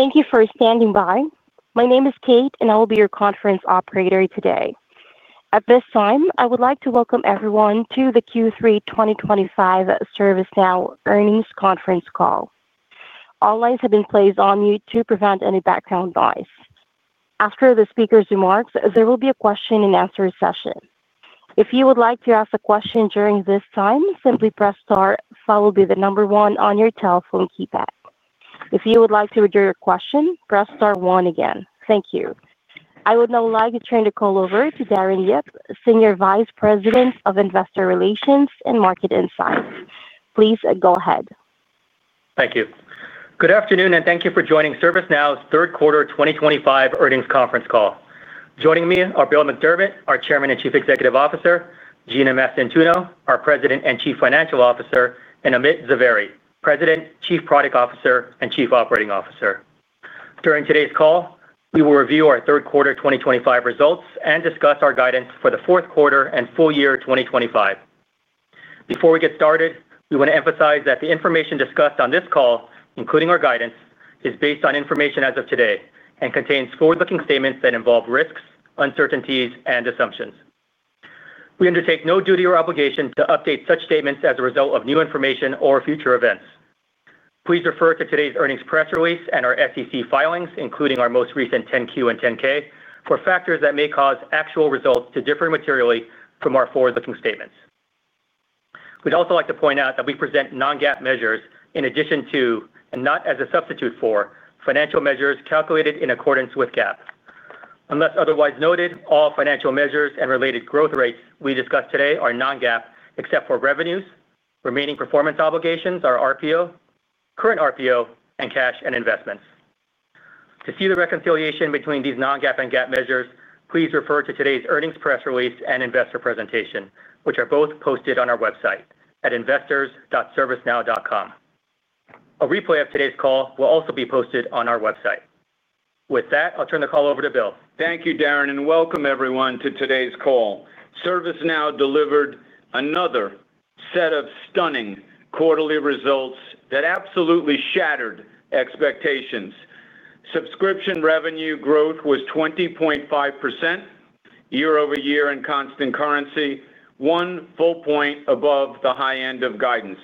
Thank you for standing by. My name is Kate, and I will be your conference operator today. At this time, I would like to welcome everyone to the Q3 2025 ServiceNow earnings conference call. All lines have been placed on mute to prevent any background noise. After the speaker's remarks, there will be a question and answer session. If you would like to ask a question during this time, simply press star followed by the number one on your telephone keypad. If you would like to read your question, press star one again. Thank you. I would now like to turn the call over to Darren Yip, Senior Vice President of Investor Relations and Market Insights. Please go ahead. Thank you. Good afternoon, and thank you for joining ServiceNow's third quarter 2025 earnings conference call. Joining me are Bill McDermott, our Chairman and Chief Executive Officer, Gina Mastantuono, our President and Chief Financial Officer, and Amit Zavery, President, Chief Product Officer, and Chief Operating Officer. During today's call, we will review our third quarter 2025 results and discuss our guidance for the fourth quarter and full year 2025. Before we get started, we want to emphasize that the information discussed on this call, including our guidance, is based on information as of today and contains forward-looking statements that involve risks, uncertainties, and assumptions. We undertake no duty or obligation to update such statements as a result of new information or future events. Please refer to today's earnings press release and our SEC filings, including our most recent 10-Q and 10-K, for factors that may cause actual results to differ materially from our forward-looking statements. We'd also like to point out that we present non-GAAP measures in addition to, and not as a substitute for, financial measures calculated in accordance with GAAP. Unless otherwise noted, all financial measures and related growth rates we discuss today are non-GAAP except for revenues, remaining performance obligations, our RPO, current RPO, and cash and investments. To see the reconciliation between these non-GAAP and GAAP measures, please refer to today's earnings press release and investor presentation, which are both posted on our website at investors.servicenow.com. A replay of today's call will also be posted on our website. With that, I'll turn the call over to Bill. Thank you, Darren, and welcome everyone to today's call. ServiceNow delivered another set of stunning quarterly results that absolutely shattered expectations. Subscription revenue growth was 20.5% year over year in constant currency, one full point above the high end of guidance.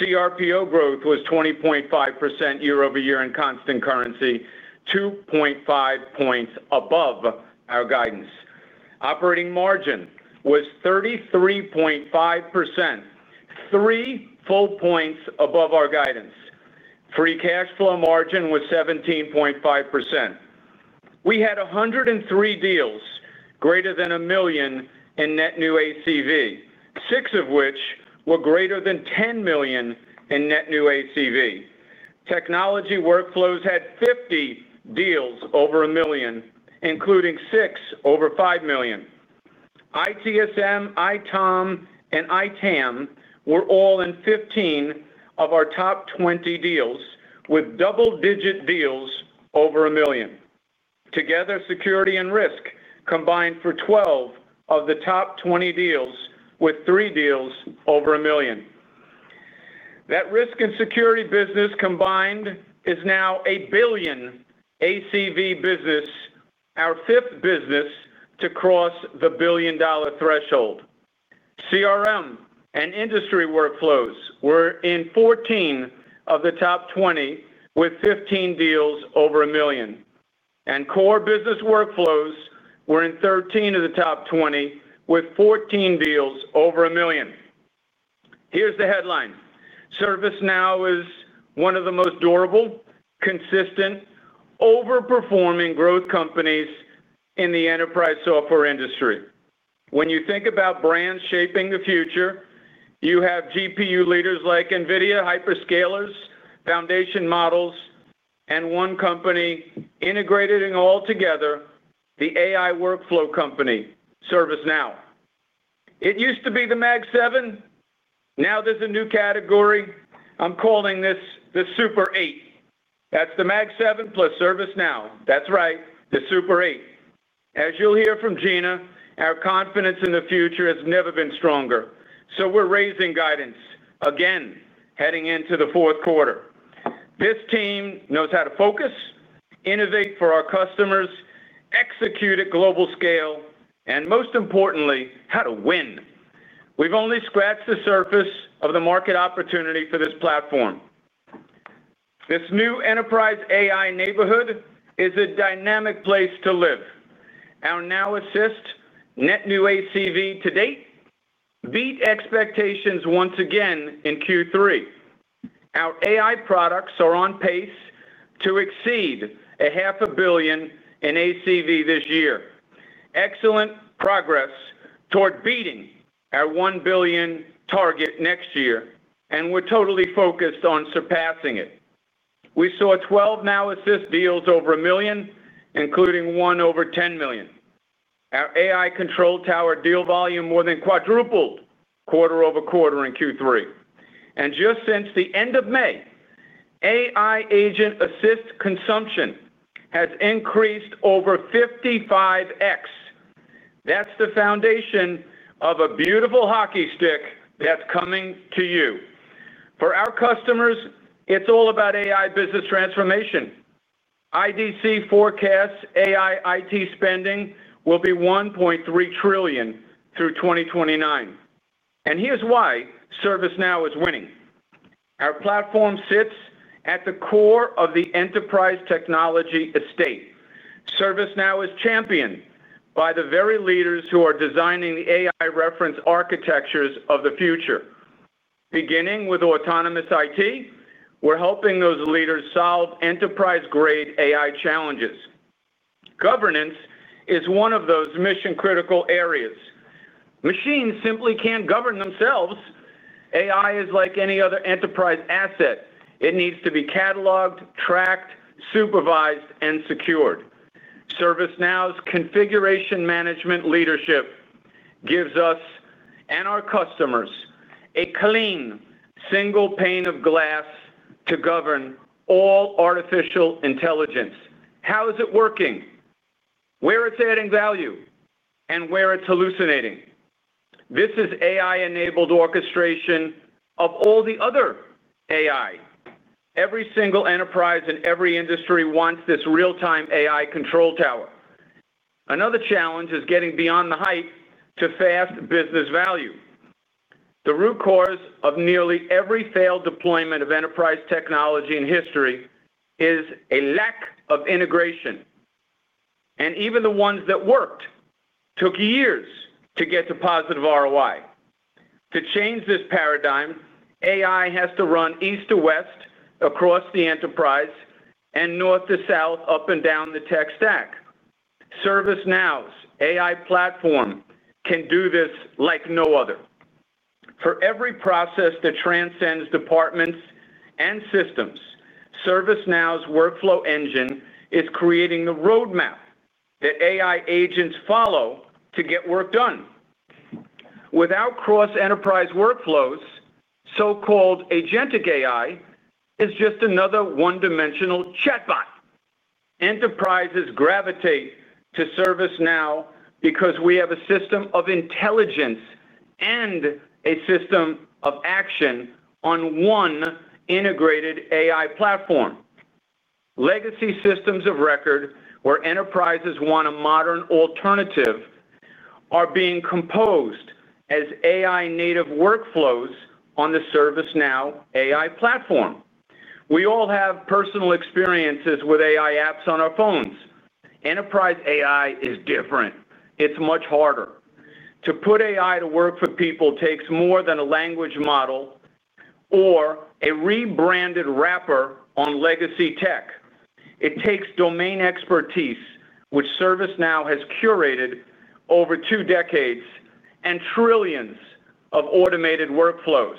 cRPO growth was 20.5% year over year in constant currency, 2.5 points above our guidance. Operating margin was 33.5%, three full points above our guidance. Free cash flow margin was 17.5%. We had 103 deals, greater than $1 million in net new ACV, six of which were greater than $10 million in net new ACV. Technology workflows had 50 deals over $1 million, including six over $5 million. ITSM, ITOM, and ITAM were all in 15 of our top 20 deals, with double-digit deals over $1 million. Together, security and risk combined for 12 of the top 20 deals, with three deals over $1 million. That risk and security business combined is now a $1 billion ACV business, our fifth business to cross the billion-dollar threshold. CRM and industry workflows were in 14 of the top 20, with 15 deals over $1 million. Core business workflows were in 13 of the top 20, with 14 deals over $1 million. Here's the headline. ServiceNow is one of the most durable, consistent, over-performing growth companies in the enterprise software industry. When you think about brands shaping the future, you have GPU leaders like NVIDIA, hyperscalers, foundation models, and one company integrating all together, the AI workflow company, ServiceNow. It used to be the Mag7. Now there's a new category. I'm calling this the Super 8. That's the Mag7 plus ServiceNow. That's right, the Super 8. As you'll hear from Gina, our confidence in the future has never been stronger. We're raising guidance, again, heading into the fourth quarter. This team knows how to focus, innovate for our customers, execute at global scale, and most importantly, how to win. We've only scratched the surface of the market opportunity for this platform. This new enterprise AI neighborhood is a dynamic place to live. Our Now Assist net new ACV to date beat expectations once again in Q3. Our AI products are on pace to exceed a half a billion in ACV this year. Excellent progress toward beating our $1 billion target next year, and we're totally focused on surpassing it. We saw 12 Now Assist deals over $1 million, including one over $10 million. Our AI Control Tower deal volume more than quadrupled quarter over quarter in Q3. Just since the end of May, AI agent assist consumption has increased over 55x. That's the foundation of a beautiful hockey stick that's coming to you. For our customers, it's all about AI business transformation. IDC forecasts AI IT spending will be $1.3 trillion through 2029. Here's why ServiceNow is winning. Our platform sits at the core of the enterprise technology estate. ServiceNow is championed by the very leaders who are designing the AI reference architectures of the future. Beginning with autonomous IT, we're helping those leaders solve enterprise-grade AI challenges. Governance is one of those mission-critical areas. Machines simply can't govern themselves. AI is like any other enterprise asset. It needs to be cataloged, tracked, supervised, and secured. ServiceNow's configuration management leadership gives us and our customers a clean, single pane of glass to govern all artificial intelligence. How is it working? Where it's adding value? Where it's hallucinating? This is AI-enabled orchestration of all the other AI. Every single enterprise in every industry wants this real-time AI Control Tower. Another challenge is getting beyond the hype to fast business value. The root cause of nearly every failed deployment of enterprise technology in history is a lack of integration. Even the ones that worked took years to get to positive ROI. To change this paradigm, AI has to run east to west, across the enterprise, and north to south, up and down the tech stack. ServiceNow's AI platform can do this like no other. For every process that transcends departments and systems, ServiceNow's workflow engine is creating the roadmap that AI agents follow to get work done. Without cross-enterprise workflows, so-called agentic AI is just another one-dimensional chatbot. Enterprises gravitate to ServiceNow because we have a system of intelligence and a system of action on one integrated AI platform. Legacy systems of record, where enterprises want a modern alternative, are being composed as AI-native workflows on the ServiceNow AI platform. We all have personal experiences with AI apps on our phones. Enterprise AI is different. It's much harder. To put AI to work for people takes more than a language model or a rebranded wrapper on legacy tech. It takes domain expertise, which ServiceNow has curated over two decades, and trillions of automated workflows.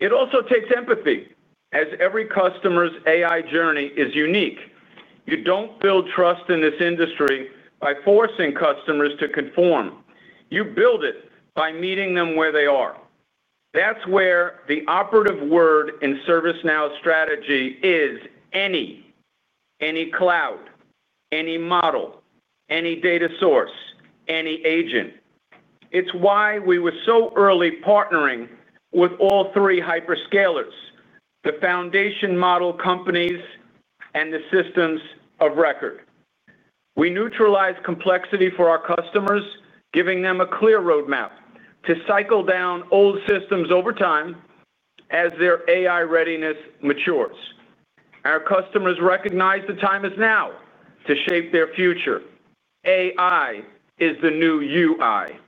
It also takes empathy, as every customer's AI journey is unique. You don't build trust in this industry by forcing customers to conform. You build it by meeting them where they are. That's where the operative word in ServiceNow's strategy is any. Any cloud, any model, any data source, any agent. It's why we were so early partnering with all three hyperscalers, the foundation model providers, and the systems of record. We neutralize complexity for our customers, giving them a clear roadmap to cycle down old systems over time as their AI readiness matures. Our customers recognize the time is now to shape their future. AI is the new UI.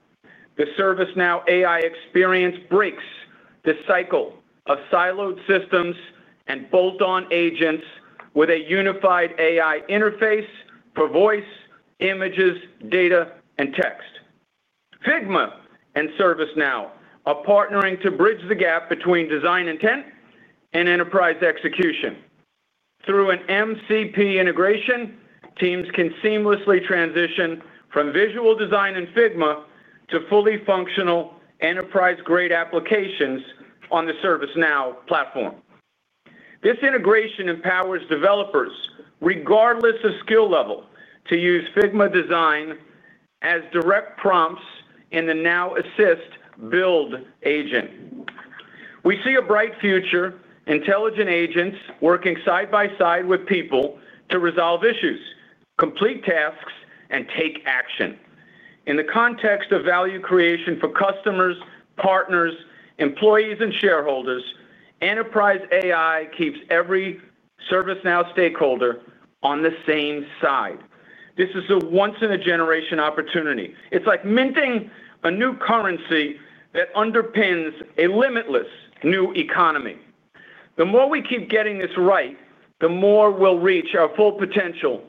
The ServiceNow AI experience breaks the cycle of siloed systems and bolt-on agents with a unified AI interface for voice, images, data, and text. Figma and ServiceNow are partnering to bridge the gap between design intent and enterprise execution. Through an MCP integration, teams can seamlessly transition from visual design in Figma to fully functional enterprise-grade applications on the ServiceNow platform. This integration empowers developers, regardless of skill level, to use Figma design as direct prompts in the Now Assist build agent. We see a bright future, intelligent agents working side by side with people to resolve issues, complete tasks, and take action. In the context of value creation for customers, partners, employees, and shareholders, enterprise AI keeps every ServiceNow stakeholder on the same side. This is a once-in-a-generation opportunity. It's like minting a new currency that underpins a limitless new economy. The more we keep getting this right, the more we'll reach our full potential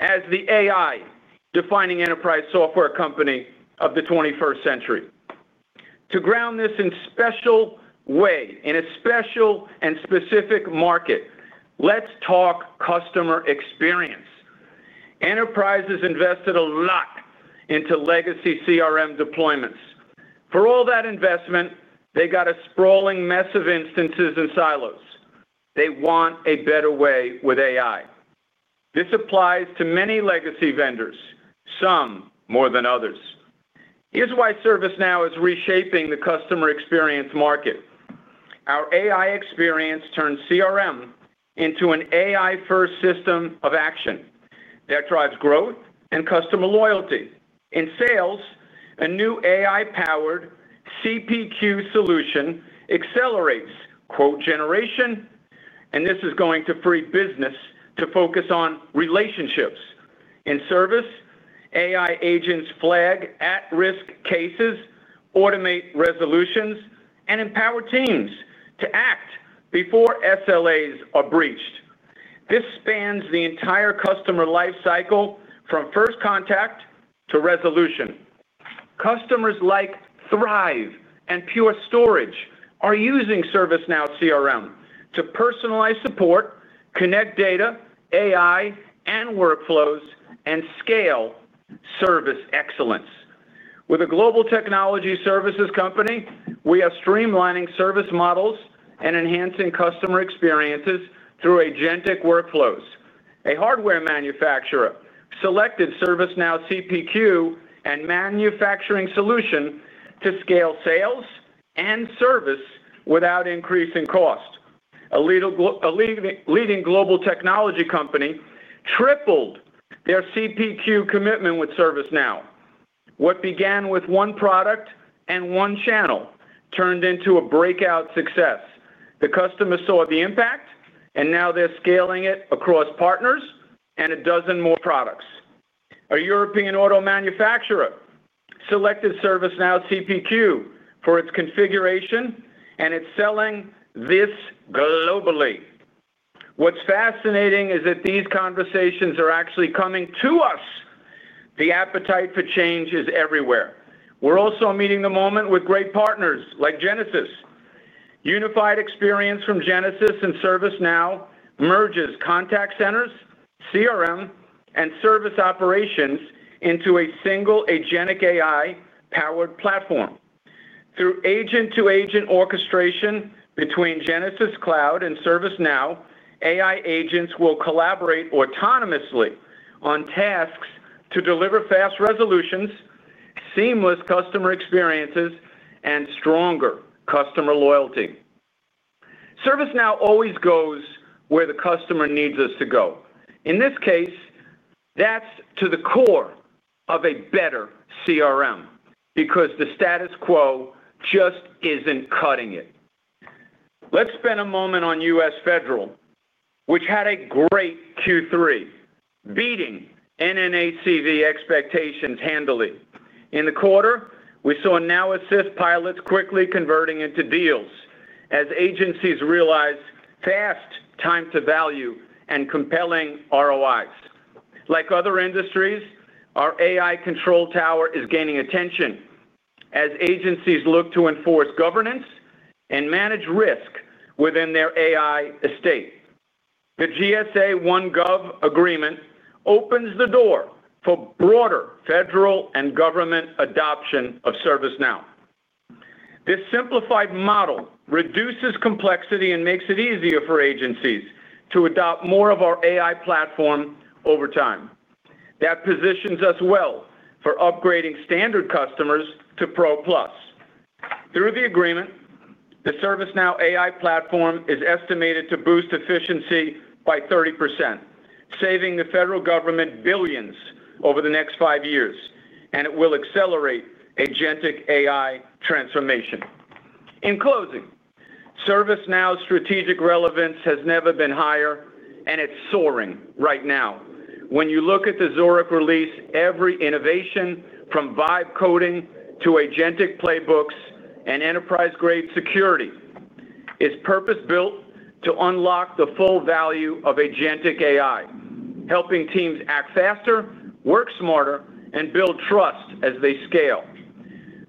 as the AI-defining enterprise software company of the 21st century. To ground this in a special way, in a special and specific market, let's talk customer experience. Enterprises invested a lot into legacy CRM deployments. For all that investment, they got a sprawling mess of instances and silos. They want a better way with AI. This applies to many legacy vendors, some more than others. Here's why ServiceNow is reshaping the customer experience market. Our AI experience turns CRM into an AI-first system of action. That drives growth and customer loyalty. In sales, a new AI-powered CPQ solution accelerates quote generation, and this is going to free business to focus on relationships. In service, AI agents flag at-risk cases, automate resolutions, and empower teams to act before SLAs are breached. This spans the entire customer lifecycle from first contact to resolution. Customers like Thrive and Pure Storage are using ServiceNow CRM to personalize support, connect data, AI, and workflows, and scale service excellence. With a global technology services company, we are streamlining service models and enhancing customer experiences through agentic workflows. A hardware manufacturer selected ServiceNow CPQ and manufacturing solution to scale sales and service without increasing cost. A leading global technology company tripled their CPQ commitment with ServiceNow. What began with one product and one channel turned into a breakout success. The customers saw the impact, and now they're scaling it across partners and a dozen more products. A European auto manufacturer selected ServiceNow CPQ for its configuration, and it's selling this globally. What's fascinating is that these conversations are actually coming to us. The appetite for change is everywhere. We're also meeting the moment with great partners like Genesys. Unified experience from Genesys and ServiceNow merges contact centers, CRM, and service operations into a single agentic AI-powered platform. Through agent-to-agent orchestration between Genesys Cloud and ServiceNow, AI agents will collaborate autonomously on tasks to deliver fast resolutions, seamless customer experiences, and stronger customer loyalty. ServiceNow always goes where the customer needs us to go. In this case, that's to the core of a better CRM because the status quo just isn't cutting it. Let's spend a moment on U.S. Federal, which had a great Q3, beating net new ACV expectations handily. In the quarter, we saw Now Assist pilots quickly converting into deals as agencies realized fast time-to-value and compelling ROIs. Like other industries, our AI Control Tower is gaining attention as agencies look to enforce governance and manage risk within their AI estate. The GSA OneGov agreement opens the door for broader federal and government adoption of ServiceNow. This simplified model reduces complexity and makes it easier for agencies to adopt more of our AI platform over time. That positions us well for upgrading standard customers to Pro Plus. Through the agreement, the ServiceNow AI Platform is estimated to boost efficiency by 30%, saving the federal government billions over the next five years, and it will accelerate agentic AI transformation. In closing, ServiceNow's strategic relevance has never been higher, and it's soaring right now. When you look at the Zurich release, every innovation from Vibe coding to agentic playbooks and enterprise-grade security is purpose-built to unlock the full value of agentic AI, helping teams act faster, work smarter, and build trust as they scale.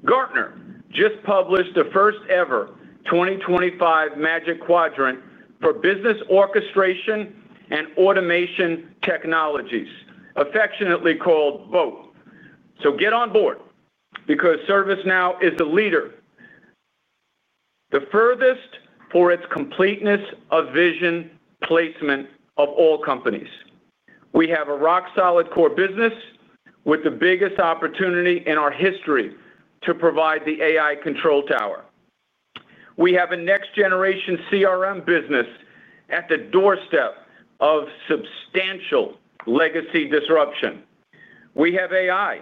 Gartner just published the first-ever 2025 Magic Quadrant for business orchestration and automation technologies, affectionately called BOAT. Get on board because ServiceNow is the leader, the furthest for its completeness of vision placement of all companies. We have a rock-solid core business with the biggest opportunity in our history to provide the AI Control Tower. We have a next-generation CRM business at the doorstep of substantial legacy disruption. We have AI,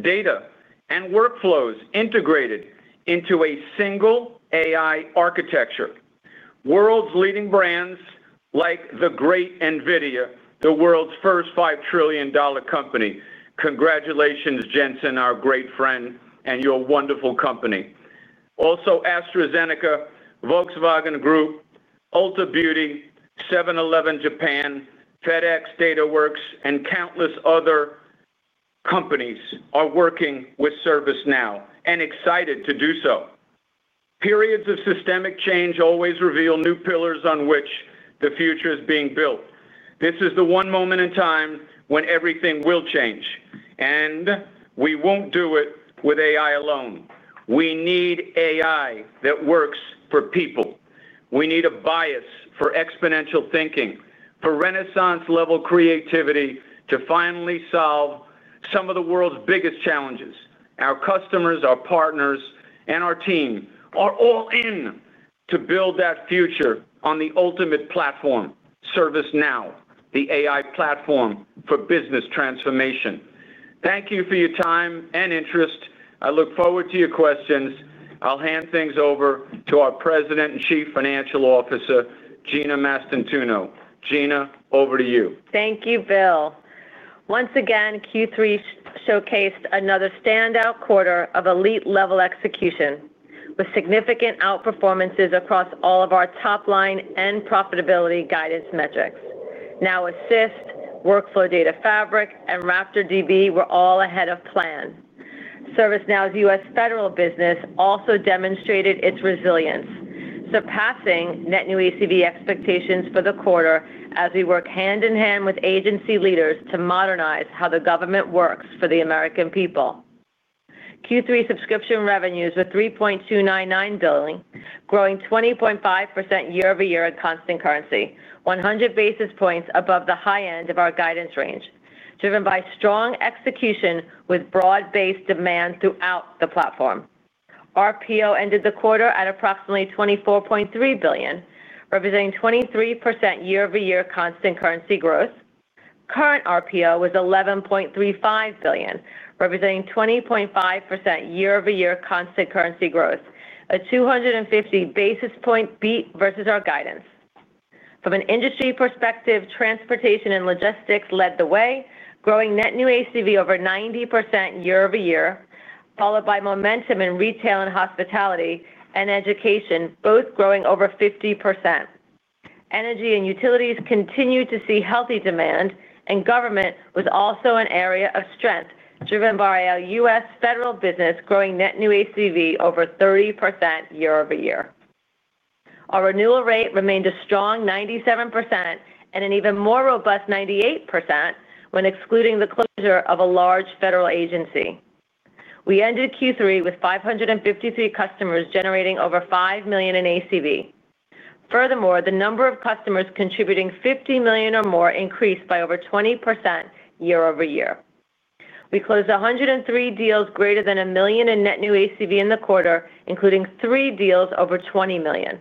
data, and workflows integrated into a single AI architecture. World's leading brands like the great NVIDIA, the world's first $5 trillion company. Congratulations, Jensen, our great friend, and your wonderful company. Also, AstraZeneca, Volkswagen Group, Ulta Beauty, 7-Eleven Japan, FedEx, Dataworks, and countless other companies are working with ServiceNow and excited to do so. Periods of systemic change always reveal new pillars on which the future is being built. This is the one moment in time when everything will change, and we won't do it with AI alone. We need AI that works for people. We need a bias for exponential thinking, for Renaissance-level creativity to finally solve some of the world's biggest challenges. Our customers, our partners, and our team are all in to build that future on the ultimate platform, ServiceNow, the AI platform for business transformation. Thank you for your time and interest. I look forward to your questions. I'll hand things over to our President and Chief Financial Officer, Gina Mastantuono. Gina, over to you. Thank you, Bill. Once again, Q3 showcased another standout quarter of elite-level execution with significant outperformances across all of our top-line and profitability guidance metrics. Now Assist, Workflow Data Fabric, and RaptorDB were all ahead of plan. ServiceNow's U.S. Federal business also demonstrated its resilience, surpassing net new ACV expectations for the quarter as we work hand in hand with agency leaders to modernize how the government works for the American people. Q3 subscription revenues were $3.299 billion, growing 20.5% year over year in constant currency, 100 basis points above the high end of our guidance range, driven by strong execution with broad-based demand throughout the platform. RPO ended the quarter at approximately $24.3 billion, representing 23% year over year constant currency growth. Current RPO was $11.35 billion, representing 20.5% year over year constant currency growth, a 250 basis point beat versus our guidance. From an industry perspective, transportation and logistics led the way, growing net new ACV over 90% year over year, followed by momentum in retail and hospitality and education, both growing over 50%. Energy and utilities continued to see healthy demand, and government was also an area of strength, driven by our U.S. Federal business growing net new ACV over 30% year over year. Our renewal rate remained a strong 97% and an even more robust 98% when excluding the closure of a large federal agency. We ended Q3 with 553 customers generating over $5 million in ACV. Furthermore, the number of customers contributing $50 million or more increased by over 20% year over year. We closed 103 deals greater than $1 million in net new ACV in the quarter, including three deals over $20 million.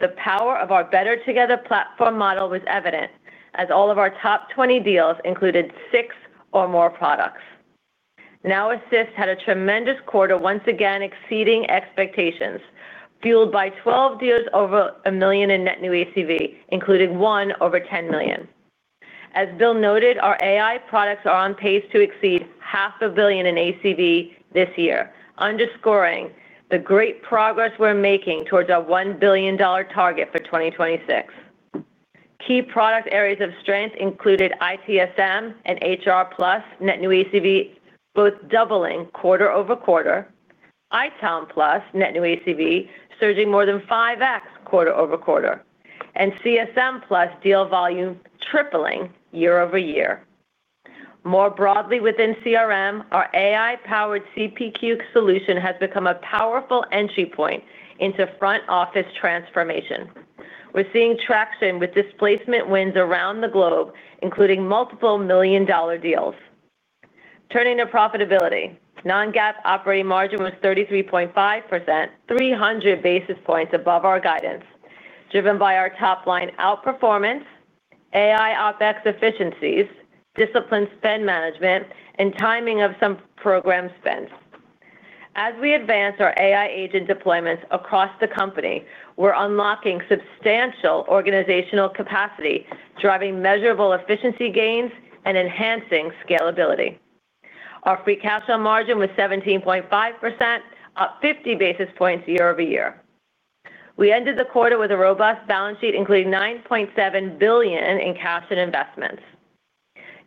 The power of our Better Together platform model was evident as all of our top 20 deals included six or more products. Now Assist had a tremendous quarter, once again exceeding expectations, fueled by 12 deals over $1 million in net new ACV, including one over $10 million. As Bill noted, our AI products are on pace to exceed half a billion in ACV this year, underscoring the great progress we're making towards our $1 billion target for 2026. Key product areas of strength included IT Service Management and HR Plus net new ACV, both doubling quarter over quarter, ITOM Plus net new ACV surging more than 5x quarter over quarter, and CSM Plus deal volume tripling year over year. More broadly within CRM, our AI-powered CPQ solution has become a powerful entry point into front office transformation. We're seeing traction with displacement wins around the globe, including multiple million-dollar deals. Turning to profitability, non-GAAP operating margin was 33.5%, 300 basis points above our guidance, driven by our top-line outperformance, AI OpEx efficiencies, disciplined spend management, and timing of some program spends. As we advance our AI agent deployments across the company, we're unlocking substantial organizational capacity, driving measurable efficiency gains and enhancing scalability. Our free cash flow margin was 17.5%, up 50 basis points year over year. We ended the quarter with a robust balance sheet, including $9.7 billion in cash and investments.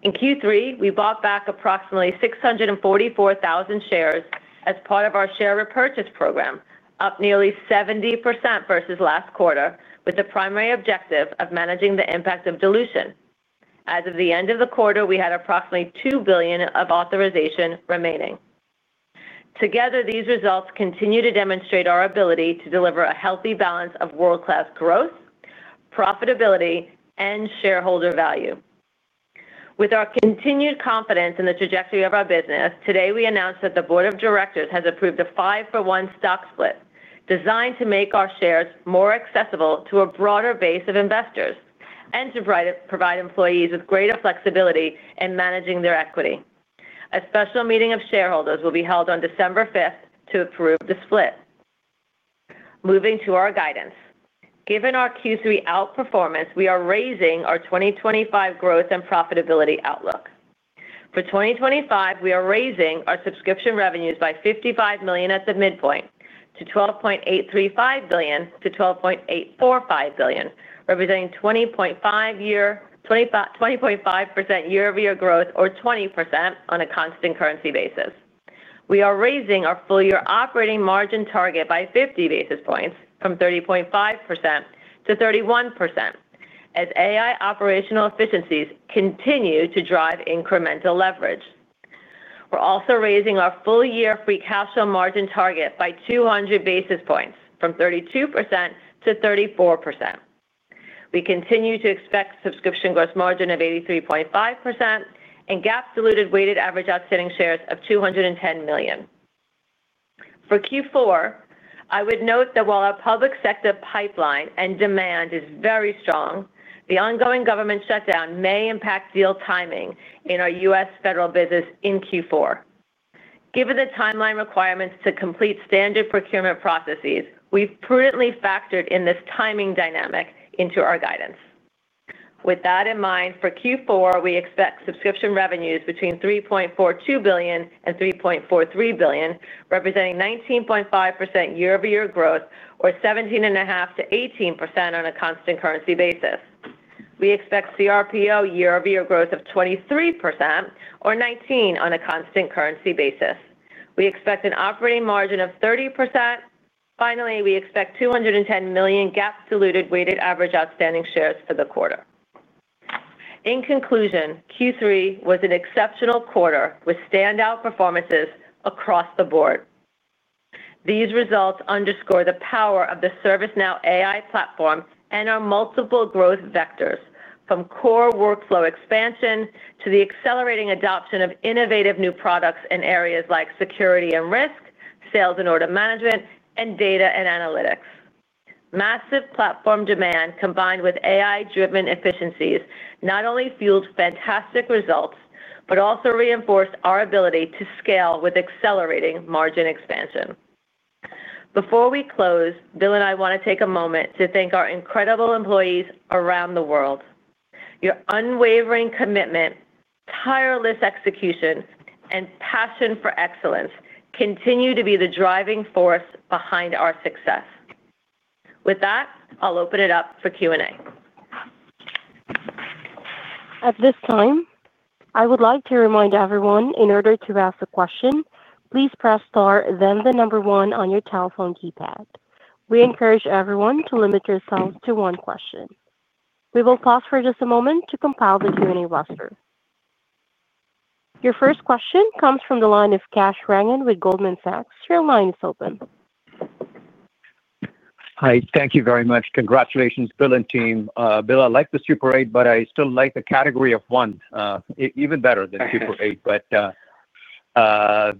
In Q3, we bought back approximately 644,000 shares as part of our share repurchase program, up nearly 70% versus last quarter, with the primary objective of managing the impact of dilution. As of the end of the quarter, we had approximately $2 billion of authorization remaining. Together, these results continue to demonstrate our ability to deliver a healthy balance of world-class growth, profitability, and shareholder value. With our continued confidence in the trajectory of our business, today we announced that the Board of Directors has approved a five-for-one stock split designed to make our shares more accessible to a broader base of investors and to provide employees with greater flexibility in managing their equity. A special meeting of shareholders will be held on December 5th to approve the split. Moving to our guidance, given our Q3 outperformance, we are raising our 2025 growth and profitability outlook. For 2025, we are raising our subscription revenues by $55 million at the midpoint, to $12.835 billion to $12.845 billion, representing 20.5% year over year growth, or 20% on a constant currency basis. We are raising our full-year operating margin target by 50 basis points, from 30.5% to 31%, as AI operational efficiencies continue to drive incremental leverage. We're also raising our full-year free cash flow margin target by 200 basis points, from 32% to 34%. We continue to expect subscription gross margin of 83.5% and GAAP-diluted weighted average outstanding shares of 210 million. For Q4, I would note that while our public sector pipeline and demand is very strong, the ongoing government shutdown may impact deal timing in our U.S. federal business in Q4. Given the timeline requirements to complete standard procurement processes, we've prudently factored in this timing dynamic into our guidance. With that in mind, for Q4, we expect subscription revenues between $3.42 billion and $3.43 billion, representing 19.5% year over year growth, or 17.5% to 18% on a constant currency basis. We expect cRPO year over year growth of 23%, or 19% on a constant currency basis. We expect an operating margin of 30%. Finally, we expect 210 million GAAP-diluted weighted average outstanding shares for the quarter. In conclusion, Q3 was an exceptional quarter with standout performances across the board. These results underscore the power of the ServiceNow AI Platform and our multiple growth vectors, from core workflow expansion to the accelerating adoption of innovative new products in areas like security and risk, sales and order management, and data and analytics. Massive platform demand combined with AI-driven efficiencies not only fueled fantastic results but also reinforced our ability to scale with accelerating margin expansion. Before we close, Bill and I want to take a moment to thank our incredible employees around the world. Your unwavering commitment, tireless execution, and passion for excellence continue to be the driving force behind our success. With that, I'll open it up for Q&A. At this time, I would like to remind everyone, in order to ask a question, please press star, then the number one on your telephone keypad. We encourage everyone to limit yourselves to one question. We will pause for just a moment to compile the Q&A roster. Your first question comes from the line of Kash Rangan with Goldman Sachs. Your line is open. Hi. Thank you very much. Congratulations, Bill and team. Bill, I like the Super 8, but I still like the category of one, even better than Super 8. I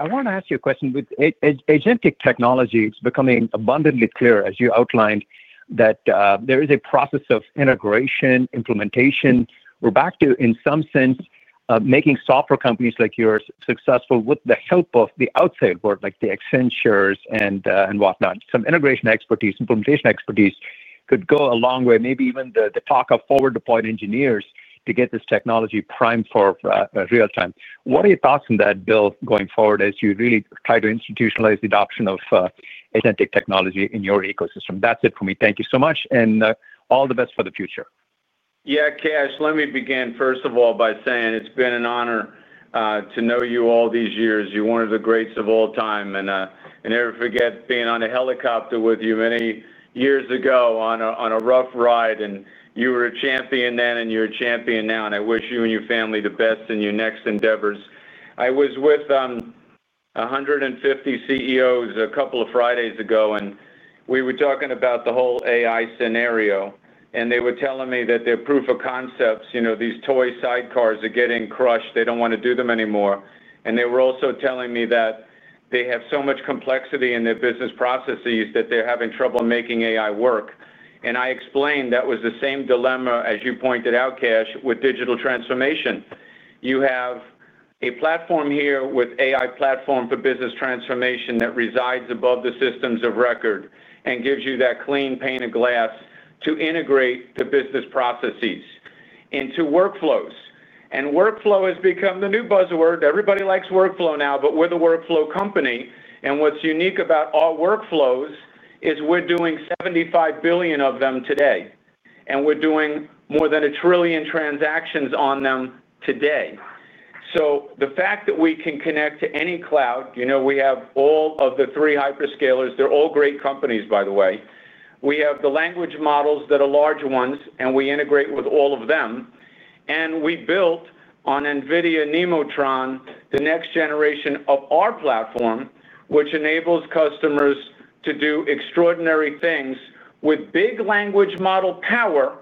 want to ask you a question. With agentic technology, it's becoming abundantly clear, as you outlined, that there is a process of integration, implementation. We're back to, in some sense, making software companies like yours successful with the help of the outside world, like the Accentures and whatnot. Some integration expertise, implementation expertise could go a long way, maybe even the talk of forward-deployed engineers to get this technology primed for real time. What are your thoughts on that, Bill, going forward as you really try to institutionalize the adoption of agentic technology in your ecosystem? That's it for me. Thank you so much, and all the best for the future. Yeah, Kash, let me begin first of all by saying it's been an honor to know you all these years. You're one of the greats of all time. I never forget being on a helicopter with you many years ago on a rough ride. You were a champion then, and you're a champion now. I wish you and your family the best in your next endeavors. I was with 150 CEOs a couple of Fridays ago, and we were talking about the whole AI scenario. They were telling me that their proof of concepts, you know, these toy sidecars are getting crushed. They don't want to do them anymore. They were also telling me that they have so much complexity in their business processes that they're having trouble making AI work. I explained that was the same dilemma as you pointed out, Kash, with digital transformation. You have a platform here with AI platform for business transformation that resides above the systems of record and gives you that clean pane of glass to integrate the business processes into workflows. Workflow has become the new buzzword. Everybody likes workflow now, but we're the workflow company. What's unique about our workflows is we're doing 75 billion of them today. We're doing more than a trillion transactions on them today. The fact that we can connect to any cloud, you know, we have all of the three hyperscalers. They're all great companies, by the way. We have the language models that are large ones, and we integrate with all of them. We built on NVIDIA Nemotron the next generation of our platform, which enables customers to do extraordinary things with big language model power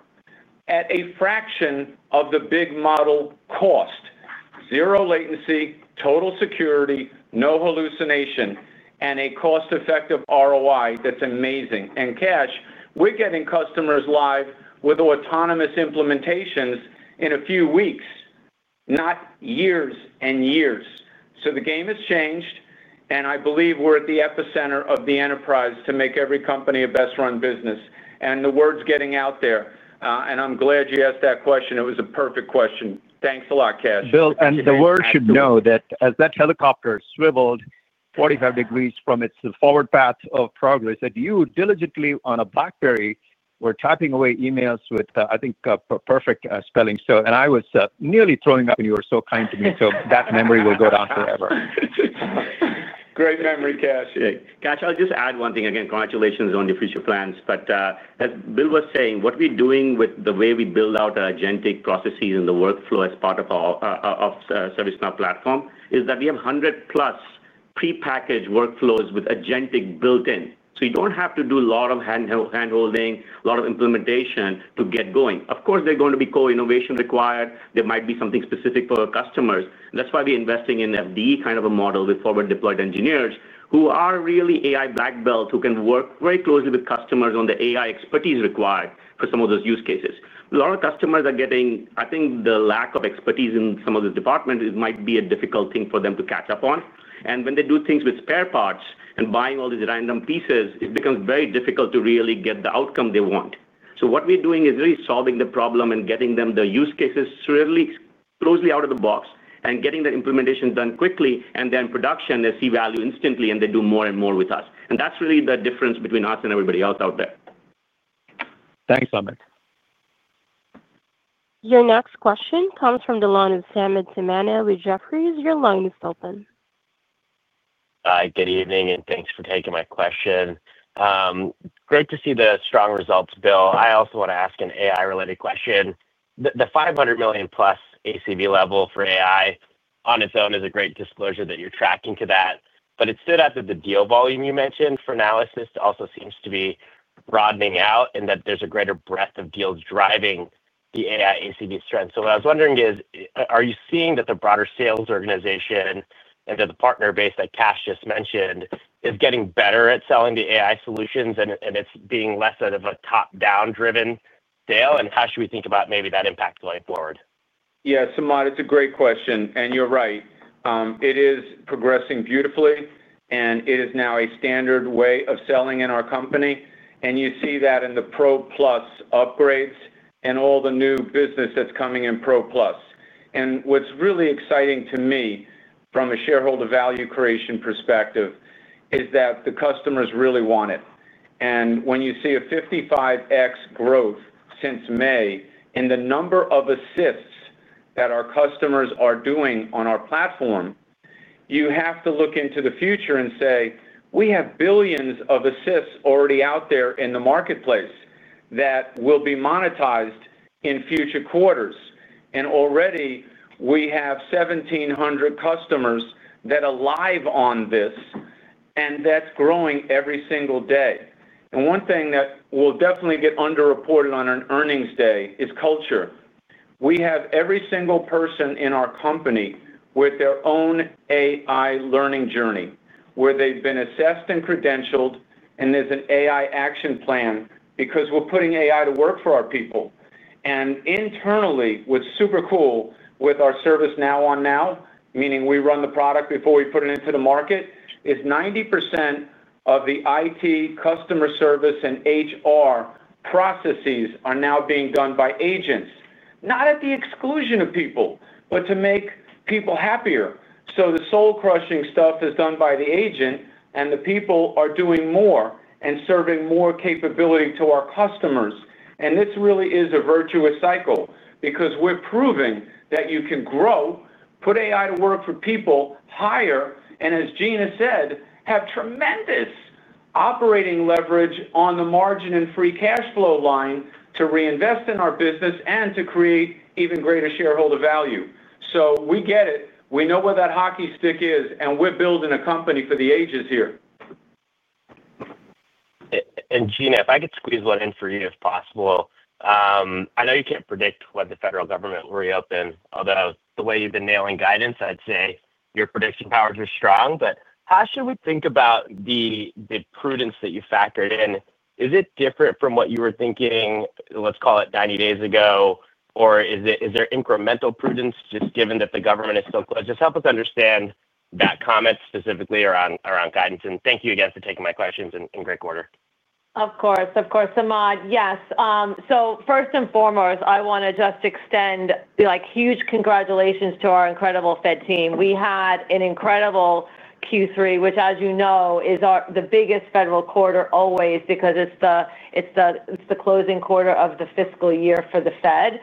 at a fraction of the big model cost. Zero latency, total security, no hallucination, and a cost-effective ROI that's amazing. Kash, we're getting customers live with autonomous implementations in a few weeks, not years and years. The game has changed, and I believe we're at the epicenter of the enterprise to make every company a best-run business. The word's getting out there. I'm glad you asked that question. It was a perfect question. Thanks a lot, Kash. Bill, and the world should know that as that helicopter swiveled 45 degrees from its forward path of progress, that you diligently on a BlackBerry were typing away emails with, I think, perfect spelling. I was nearly throwing up, and you were so kind to me. That memory will go down forever. Great memory, Kash. Kash, I'll just add one thing. Again, congratulations on your future plans. As Bill was saying, what we're doing with the way we build out our agentic processes and the workflow as part of our ServiceNow platform is that we have 100+ prepackaged workflows with agentic built in. You don't have to do a lot of hand-holding, a lot of implementation to get going. Of course, there's going to be co-innovation required. There might be something specific for customers. That's why we're investing in FDE kind of a model with forward-deployed engineers who are really AI black belt, who can work very closely with customers on the AI expertise required for some of those use cases. A lot of customers are getting, I think, the lack of expertise in some of the departments might be a difficult thing for them to catch up on. When they do things with spare parts and buying all these random pieces, it becomes very difficult to really get the outcome they want. What we're doing is really solving the problem and getting them the use cases really closely out of the box and getting the implementation done quickly. In production, they see value instantly, and they do more and more with us. That's really the difference between us and everybody else out there. Thanks, Amit. Your next question comes from the line of Samad Samana with Jefferies. Your line is open. Hi. Good evening, and thanks for taking my question. Great to see the strong results, Bill. I also want to ask an AI-related question. The $500 million plus ACV level for AI on its own is a great disclosure that you're tracking to that. It stood out that the deal volume you mentioned for Now Assist also seems to be broadening out and that there's a greater breadth of deals driving the AI ACV strength. What I was wondering is, are you seeing that the broader sales organization and that the partner base that Kash just mentioned is getting better at selling the AI solutions and it's being less of a top-down driven sale? How should we think about maybe that impact going forward? Yeah, Samad, it's a great question. You're right. It is progressing beautifully, and it is now a standard way of selling in our company. You see that in the Pro Plus upgrades and all the new business that's coming in Pro Plus. What's really exciting to me from a shareholder value creation perspective is that the customers really want it. When you see a 55x growth since May in the number of assists that our customers are doing on our platform, you have to look into the future and say, we have billions of assists already out there in the marketplace that will be monetized in future quarters. Already we have 1,700 customers that are live on this, and that's growing every single day. One thing that will definitely get underreported on an earnings day is culture. We have every single person in our company with their own AI learning journey where they've been assessed and credentialed, and there's an AI action plan because we're putting AI to work for our people. Internally, what's super cool with our ServiceNow on now, meaning we run the product before we put it into the market, is 90% of the IT customer service and HR processes are now being done by agents, not at the exclusion of people, but to make people happier. The soul-crushing stuff is done by the agent, and the people are doing more and serving more capability to our customers. This really is a virtuous cycle because we're proving that you can grow, put AI to work for people, hire, and as Gina said, have tremendous operating leverage on the margin and free cash flow line to reinvest in our business and to create even greater shareholder value. We get it. We know where that hockey stick is, and we're building a company for the ages here. Gina, if I could squeeze one in for you if possible. I know you can't predict when the federal government will reopen, although the way you've been nailing guidance, I'd say your prediction powers are strong. How should we think about the prudence that you factored in? Is it different from what you were thinking, let's call it 90 days ago, or is there incremental prudence just given that the government is so close? Help us understand that comment specifically around guidance. Thank you again for taking my questions in great order. Of course, Samad. Yes. First and foremost, I want to just extend huge congratulations to our incredible Fed team. We had an incredible Q3, which as you know is the biggest federal quarter always because it's the closing quarter of the fiscal year for the Fed.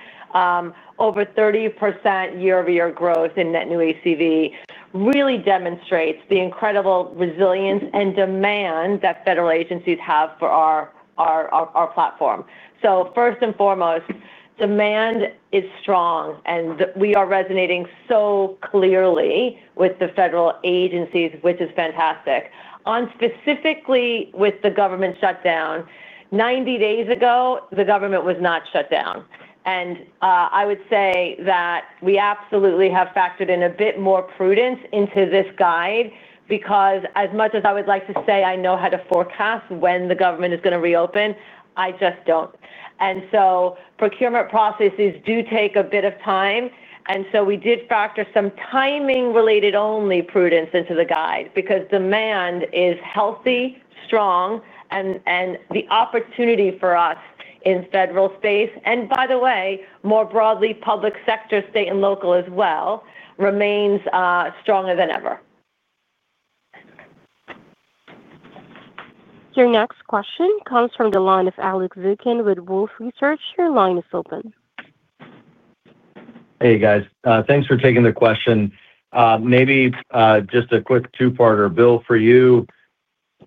Over 30% year over year growth in net new ACV really demonstrates the incredible resilience and demand that federal agencies have for our platform. First and foremost, demand is strong, and we are resonating so clearly with the federal agencies, which is fantastic. Specifically with the government shutdown, 90 days ago, the government was not shut down. I would say that we absolutely have factored in a bit more prudence into this guide because as much as I would like to say I know how to forecast when the government is going to reopen, I just don't. Procurement processes do take a bit of time. We did factor some timing-related only prudence into the guide because demand is healthy, strong, and the opportunity for us in federal space, and by the way, more broadly, public sector, state, and local as well, remains stronger than ever. Your next question comes from the line of Alex Zukin with Wolfe Research. Your line is open. Hey, guys. Thanks for taking the question. Maybe just a quick two-parter, Bill, for you.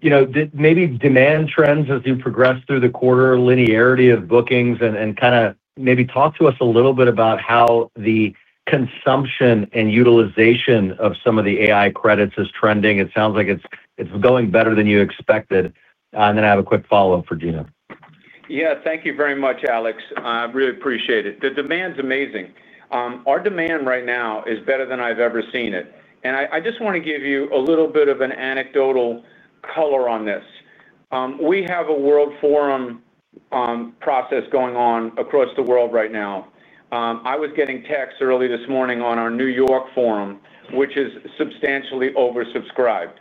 You know, maybe demand trends as you progress through the quarter, linearity of bookings, and kind of maybe talk to us a little bit about how the consumption and utilization of some of the AI credits is trending. It sounds like it's going better than you expected. I have a quick follow-up for Gina. Thank you very much, Alex. I really appreciate it. The demand is amazing. Our demand right now is better than I've ever seen it. I just want to give you a little bit of an anecdotal color on this. We have a world forum process going on across the world right now. I was getting texts early this morning on our New York forum, which is substantially oversubscribed.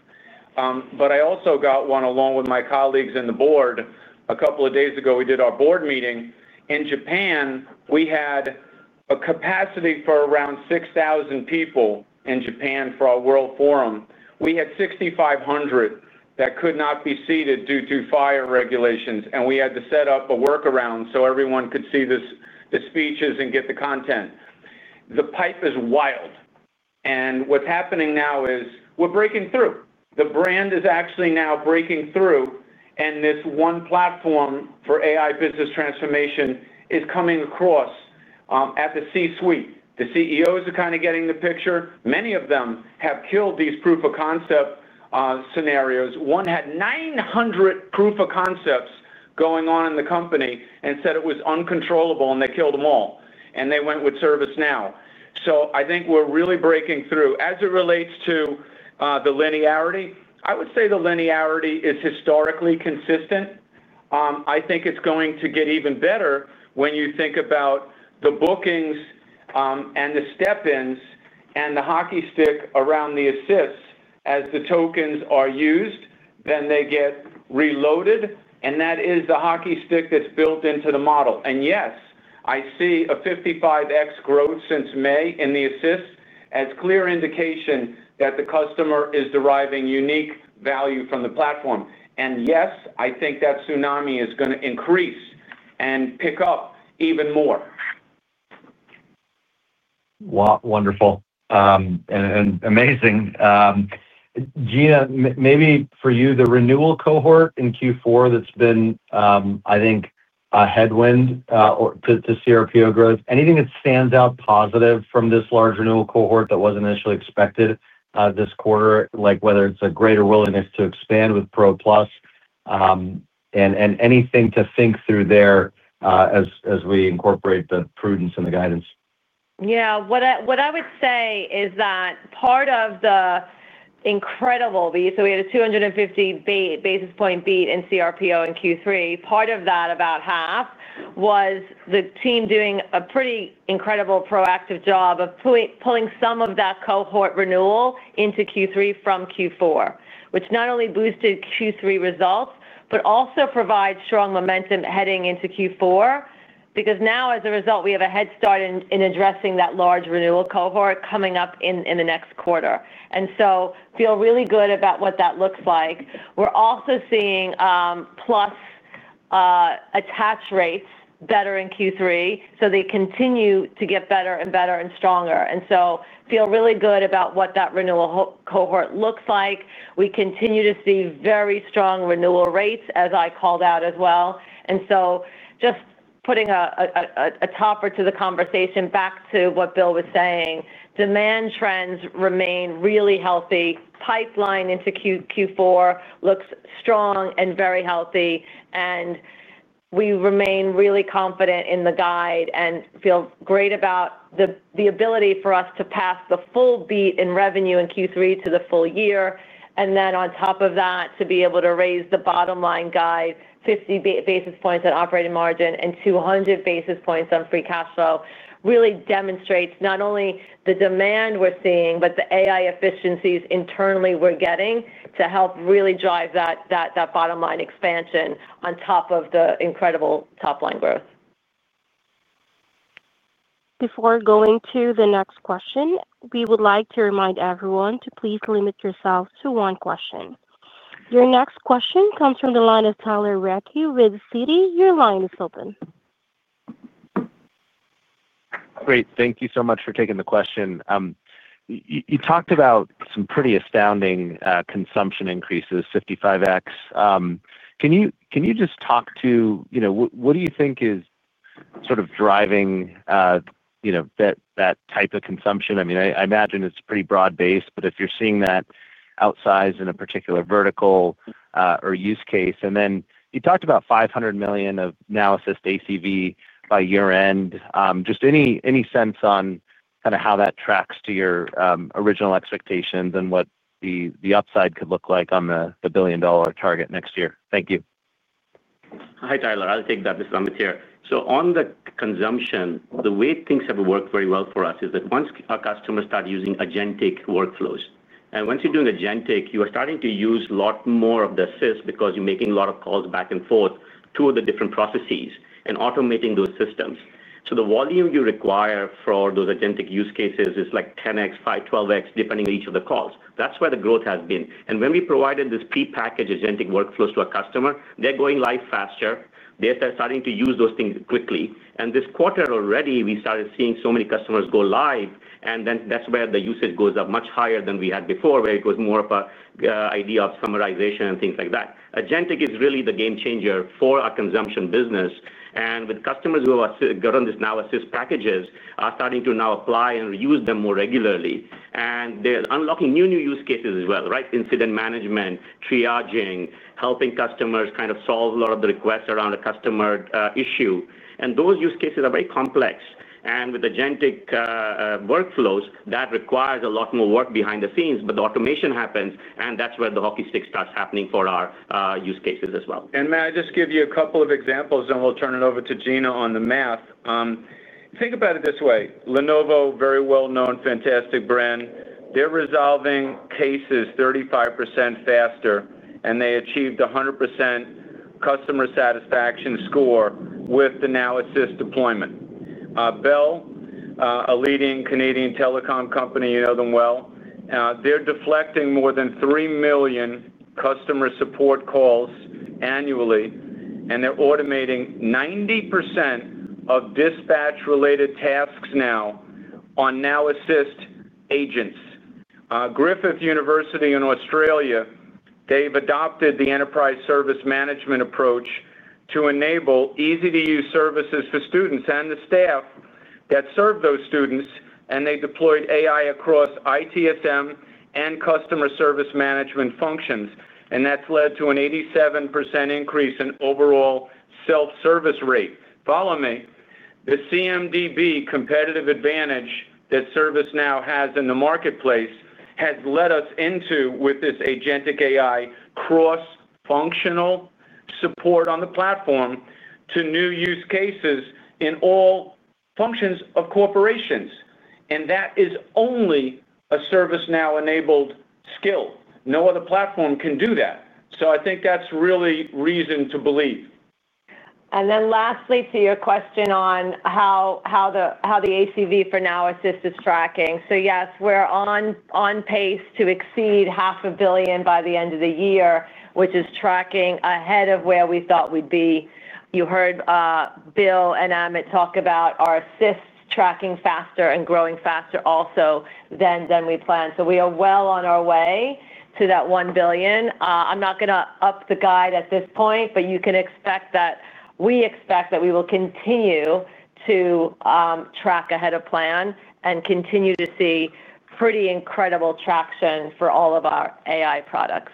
I also got one along with my colleagues in the board. A couple of days ago, we did our board meeting. In Japan, we had a capacity for around 6,000 people in Japan for our world forum. We had 6,500 that could not be seated due to fire regulations, and we had to set up a workaround so everyone could see the speeches and get the content. The pipe is wild. What's happening now is we're breaking through. The brand is actually now breaking through, and this one platform for AI business transformation is coming across at the C-suite. The CEOs are kind of getting the picture. Many of them have killed these proof of concept scenarios. One had 900 proof of concepts going on in the company and said it was uncontrollable, and they killed them all. They went with ServiceNow. I think we're really breaking through. As it relates to the linearity, I would say the linearity is historically consistent. I think it's going to get even better when you think about the bookings and the step-ins and the hockey stick around the assists as the tokens are used, then they get reloaded. That is the hockey stick that's built into the model. Yes, I see a 55x growth since May in the assists as a clear indication that the customer is deriving unique value from the platform. Yes, I think that tsunami is going to increase and pick up even more. Wonderful and amazing. Gina, maybe for you, the renewal cohort in Q4 that's been, I think, a headwind to cRPO growth. Anything that stands out positive from this large renewal cohort that wasn't initially expected this quarter, like whether it's a greater willingness to expand with Pro Plus and anything to think through there as we incorporate the prudence and the guidance? Yeah, what I would say is that part of the incredible beat, we had a 250 basis point beat in cRPO in Q3. Part of that, about half, was the team doing a pretty incredible proactive job of pulling some of that cohort renewal into Q3 from Q4, which not only boosted Q3 results but also provides strong momentum heading into Q4 because now, as a result, we have a head start in addressing that large renewal cohort coming up in the next quarter. I feel really good about what that looks like. We're also seeing plus attach rates better in Q3, so they continue to get better and better and stronger. I feel really good about what that renewal cohort looks like. We continue to see very strong renewal rates, as I called out as well. Just putting a topper to the conversation back to what Bill was saying, demand trends remain really healthy. Pipeline into Q4 looks strong and very healthy. We remain really confident in the guide and feel great about the ability for us to pass the full beat in revenue in Q3 to the full year. On top of that, to be able to raise the bottom line guide, 50 basis points on operating margin and 200 basis points on free cash flow really demonstrates not only the demand we're seeing, but the AI efficiencies internally we're getting to help really drive that bottom line expansion on top of the incredible top line growth. Before going to the next question, we would like to remind everyone to please limit yourself to one question. Your next question comes from the line of Tyler Radke with Citi, your line is open. Great. Thank you so much for taking the question. You talked about some pretty astounding consumption increases, 55x. Can you just talk to, you know, what do you think is sort of driving that type of consumption? I mean, I imagine it's pretty broad-based, but if you're seeing that outsize in a particular vertical or use case, and then you talked about $500 million of Now Assist ACV by year-end. Just any sense on kind of how that tracks to your original expectations and what the upside could look like on the billion-dollar target next year? Thank you. Hi, Tyler. I'll take that, Mr. Amit here. On the consumption, the way things have worked very well for us is that once our customers start using agentic workflows, and once you're doing agentic, you are starting to use a lot more of the assists because you're making a lot of calls back and forth to the different processes and automating those systems. The volume you require for those agentic use cases is like 10x, 5x, 12x depending on each of the calls. That's where the growth has been. When we provided these prepackaged agentic workflows to our customer, they're going live faster. They're starting to use those things quickly. This quarter already, we started seeing so many customers go live, and that's where the usage goes up much higher than we had before, where it was more of an idea of summarization and things like that. Agentic is really the game changer for our consumption business. Customers who are on these Now Assist packages are starting to now apply and use them more regularly. They're unlocking new, new use cases as well, right? Incident management, triaging, helping customers kind of solve a lot of the requests around a customer issue. Those use cases are very complex. With agentic workflows, that requires a lot more work behind the scenes, but the automation happens, and that's where the hockey stick starts happening for our use cases as well. May I just give you a couple of examples, and we'll turn it over to Gina on the math? Think about it this way. Lenovo, very well-known, fantastic brand. They're resolving cases 35% faster, and they achieved a 100% customer satisfaction score with the Now Assist deployment. Bell, a leading Canadian telecom company, you know them well. They're deflecting more than 3 million customer support calls annually, and they're automating 90% of dispatch-related tasks now on Now Assist agents. Griffith University in Australia, they've adopted the enterprise service management approach to enable easy-to-use services for students and the staff that serve those students, and they deployed AI across IT Service Management and Customer Service Management functions. That's led to an 87% increase in overall self-service rate. The CMDB competitive advantage that ServiceNow has in the marketplace has led us into, with this agentic AI cross-functional support on the platform, to new use cases in all functions of corporations. That is only a ServiceNow-enabled skill. No other platform can do that. I think that's really reason to believe. Lastly, to your question on how the ACV for Now Assist is tracking. Yes, we're on pace to exceed $500 million by the end of the year, which is tracking ahead of where we thought we'd be. You heard Bill and Amit talk about our assists tracking faster and growing faster also than we planned. We are well on our way to that $1 billion. I'm not going to up the guide at this point, but you can expect that we expect that we will continue to track ahead of plan and continue to see pretty incredible traction for all of our AI products.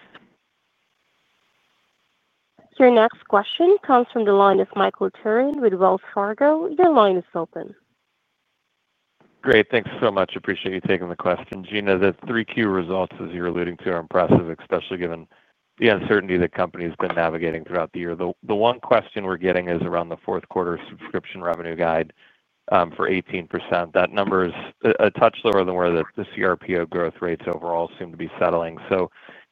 Your next question comes from the line of Michael Turrin with Wells Fargo. Your line is open. Great. Thanks so much. I appreciate you taking the question. Gina, the 3Q results, as you were alluding to, are impressive, especially given the uncertainty that companies have been navigating throughout the year. The one question we're getting is around the fourth quarter subscription revenue guide for 18%. That number is a touch lower than where the cRPO growth rates overall seem to be settling.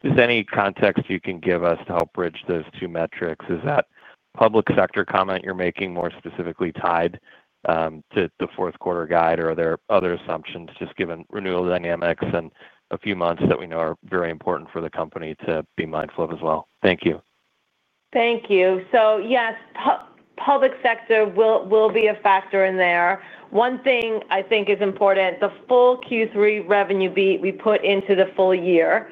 Any context you can give us to help bridge those two metrics? Is that public sector comment you're making more specifically tied to the fourth quarter guide, or are there other assumptions just given renewal dynamics and a few months that we know are very important for the company to be mindful of as well? Thank you. Thank you. Yes, public sector will be a factor in there. One thing I think is important, the full Q3 revenue beat we put into the full year.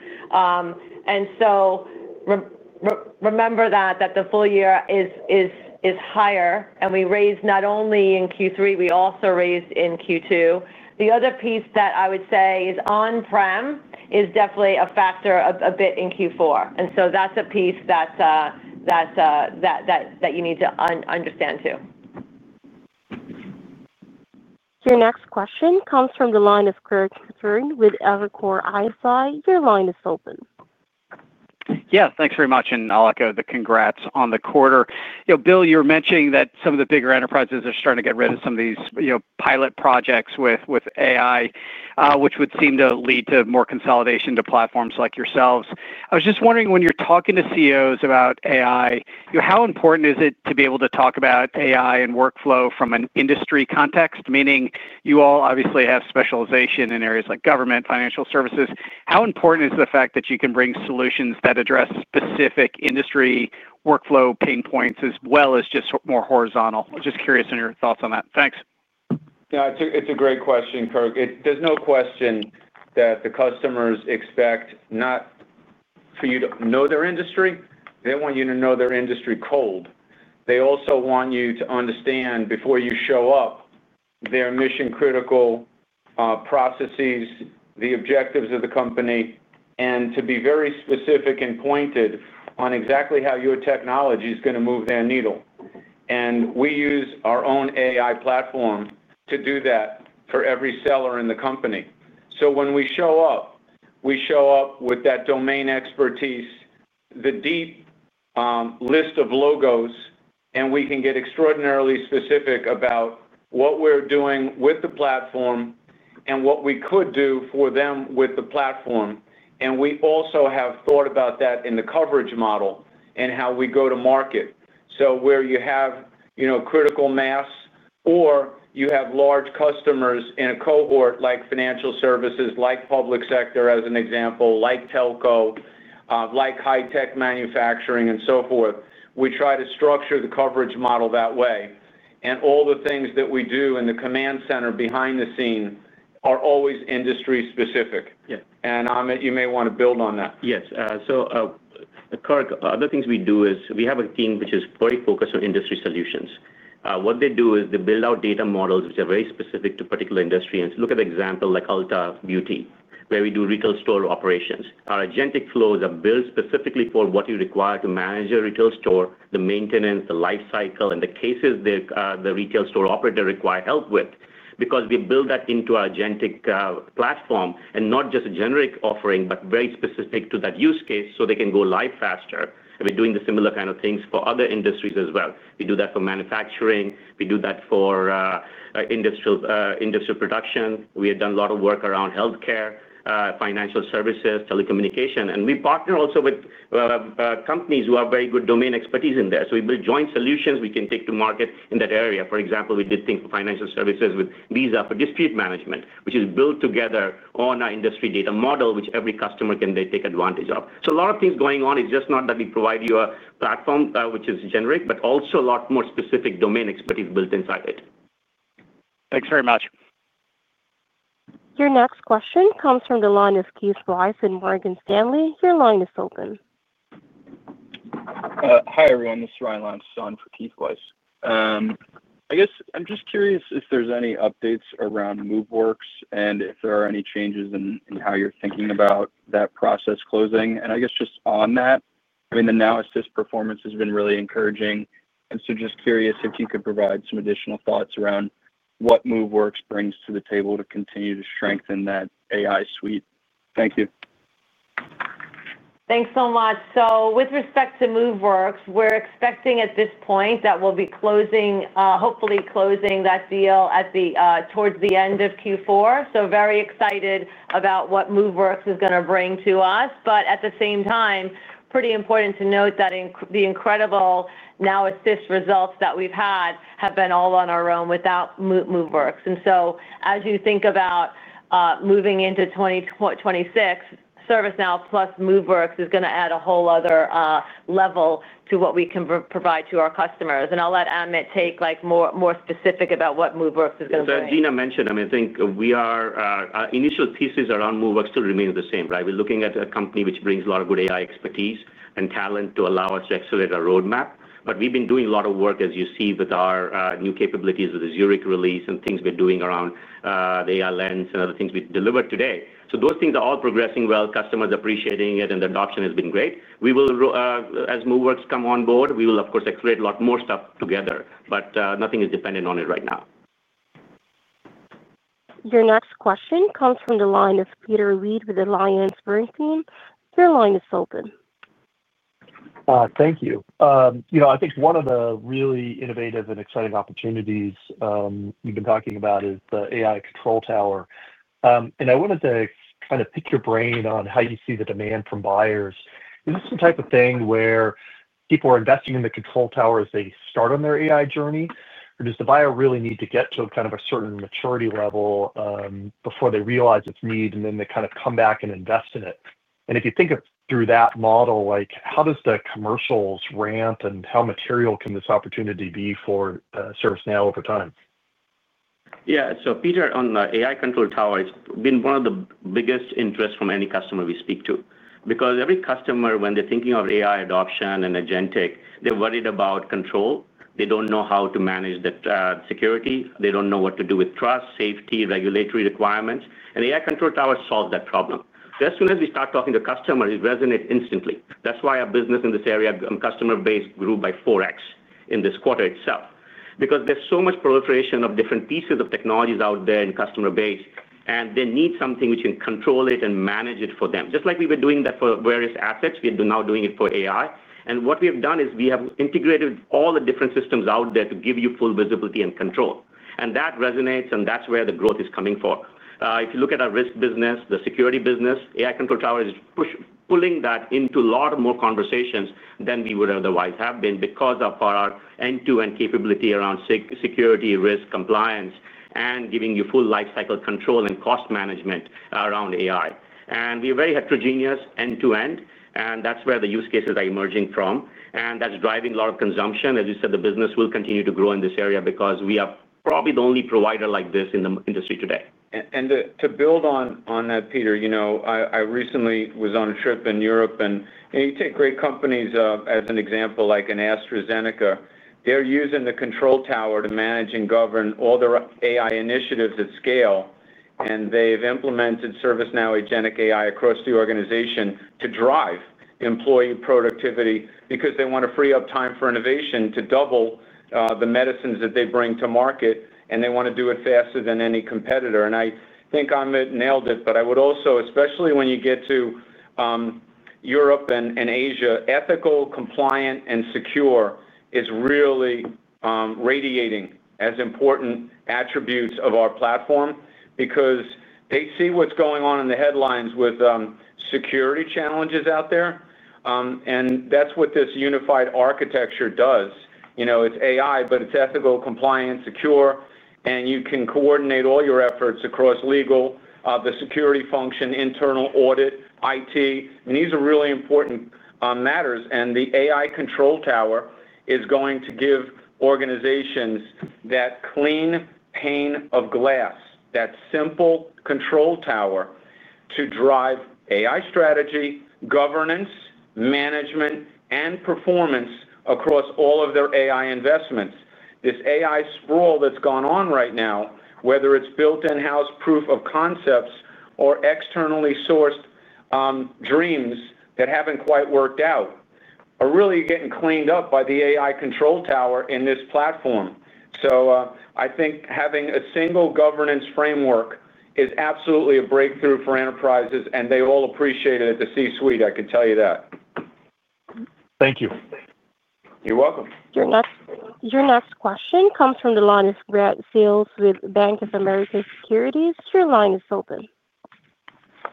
Remember that the full year is higher, and we raised not only in Q3, we also raised in Q2. The other piece that I would say is on-prem is definitely a factor a bit in Q4. That's a piece that you need to understand too. Your next question comes from the line of Craig Turin with Evercore ISI. Your line is open. Yeah, thanks very much. I'll echo the congrats on the quarter. Bill, you were mentioning that some of the bigger enterprises are starting to get rid of some of these pilot projects with AI, which would seem to lead to more consolidation to platforms like yourselves. I was just wondering, when you're talking to CEOs about AI, how important is it to be able to talk about AI and workflow from an industry context? Meaning you all obviously have specialization in areas like government, financial services. How important is the fact that you can bring solutions that address specific industry workflow pain points as well as just more horizontal? I'm just curious on your thoughts on that. Thanks. Yeah, it's a great question, Craig. There's no question that the customers expect not for you to know their industry. They want you to know their industry cold. They also want you to understand before you show up their mission-critical processes, the objectives of the company, and to be very specific and pointed on exactly how your technology is going to move their needle. We use our own AI platform to do that for every seller in the company. When we show up, we show up with that domain expertise, the deep list of logos, and we can get extraordinarily specific about what we're doing with the platform and what we could do for them with the platform. We also have thought about that in the coverage model and how we go to market. Where you have critical mass or you have large customers in a cohort like financial services, like public sector as an example, like telco, like high-tech manufacturing, and so forth, we try to structure the coverage model that way. All the things that we do in the command center behind the scene are always industry-specific. Amit, you may want to build on that. Yes. The other things we do is we have a team which is very focused on industry solutions. What they do is they build out data models which are very specific to a particular industry. Look at the example like Ulta Beauty, where we do retail store operations. Our agentic flows are built specifically for what you require to manage your retail store, the maintenance, the lifecycle, and the cases the retail store operator requires help with because we build that into our agentic platform, not just a generic offering, but very specific to that use case so they can go live faster. We're doing the similar kind of things for other industries as well. We do that for manufacturing. We do that for industrial production. We have done a lot of work around healthcare, financial services, telecommunication. We partner also with companies who have very good domain expertise in there. We build joint solutions we can take to market in that area. For example, we did things for financial services with Visa for dispute management, which is built together on our industry data model, which every customer can take advantage of. A lot of things going on. It's just not that we provide you a platform which is generic, but also a lot more specific domain expertise built inside it. Thanks very much. Your next question comes from the line of Keith Weiss at Morgan Stanley. Your line is open. Hi, everyone. This is Ryan Lampson for Keith Weiss. I'm just curious if there's any updates around MoveWorks and if there are any changes in how you're thinking about that process closing. Just on that, I mean, the Now Assist performance has been really encouraging. I'm curious if you could provide some additional thoughts around what MoveWorks brings to the table to continue to strengthen that AI suite. Thank you. Thanks so much. With respect to MoveWorks, we're expecting at this point that we'll be hopefully closing that deal towards the end of Q4. We're very excited about what MoveWorks is going to bring to us. At the same time, it's pretty important to note that the incredible Now Assist results that we've had have been all on our own without MoveWorks. As you think about moving into 2026, ServiceNow plus MoveWorks is going to add a whole other level to what we can provide to our customers. I'll let Amit take more specific about what MoveWorks is going to bring. As Gina mentioned, I think our initial thesis around MoveWorks still remains the same, right? We're looking at a company which brings a lot of good AI expertise and talent to allow us to accelerate our roadmap. We've been doing a lot of work, as you see, with our new capabilities with the Zurich release and things we're doing around the AI lens and other things we delivered today. Those things are all progressing well. Customers are appreciating it, and the adoption has been great. As MoveWorks comes on board, we will, of course, accelerate a lot more stuff together. Nothing is dependent on it right now. Your next question comes from the line of Peter Reed with the Lion's Spring Team. Your line is open. Thank you. I think one of the really innovative and exciting opportunities we've been talking about is the AI Control Tower. I wanted to pick your brain on how you see the demand from buyers. Is this the type of thing where people are investing in the Control Tower as they start on their AI journey? Does the buyer really need to get to a certain maturity level before they realize its need and then come back and invest in it? If you think through that model, how do the commercials ramp and how material can this opportunity be for ServiceNow over time? Yeah. Peter, on the AI Control Tower, it's been one of the biggest interests from any customer we speak to because every customer, when they're thinking of AI adoption and agentic, they're worried about control. They don't know how to manage the security. They don't know what to do with trust, safety, regulatory requirements. The AI Control Tower solves that problem. As soon as we start talking to customers, it resonates instantly. That's why our business in this area, customer base, grew by 4x in this quarter itself because there's so much proliferation of different pieces of technologies out there in the customer base. They need something which can control it and manage it for them. Just like we've been doing that for various assets, we're now doing it for AI. What we have done is we have integrated all the different systems out there to give you full visibility and control. That resonates, and that's where the growth is coming from. If you look at our risk business, the security business, AI Control Tower is pulling that into a lot more conversations than we would otherwise have been because of our end-to-end capability around security, risk, compliance, and giving you full lifecycle control and cost management around AI. We are very heterogeneous end-to-end, and that's where the use cases are emerging from. That's driving a lot of consumption. The business will continue to grow in this area because we are probably the only provider like this in the industry today. To build on that, Peter, you know I recently was on a trip in Europe, and you take great companies as an example, like AstraZeneca. They're using the AI Control Tower to manage and govern all their AI initiatives at scale. They've implemented ServiceNow agentic AI across the organization to drive employee productivity because they want to free up time for innovation to double the medicines that they bring to market. They want to do it faster than any competitor. I think Amit nailed it. Especially when you get to Europe and Asia, ethical, compliant, and secure is really radiating as important attributes of our platform because they see what's going on in the headlines with security challenges out there. That's what this unified architecture does. You know it's AI, but it's ethical, compliant, secure, and you can coordinate all your efforts across legal, the security function, internal audit, IT. These are really important matters. The AI Control Tower is going to give organizations that clean pane of glass, that simple control tower to drive AI strategy, governance, management, and performance across all of their AI investments. This AI sprawl that's gone on right now, whether it's built in-house proof of concepts or externally sourced dreams that haven't quite worked out, are really getting cleaned up by the AI Control Tower in this platform. I think having a single governance framework is absolutely a breakthrough for enterprises, and they all appreciate it at the C-suite. I can tell you that. Thank you. You're welcome. Your next question comes from the line of Brad Sills with Bank of America Securities. Your line is open.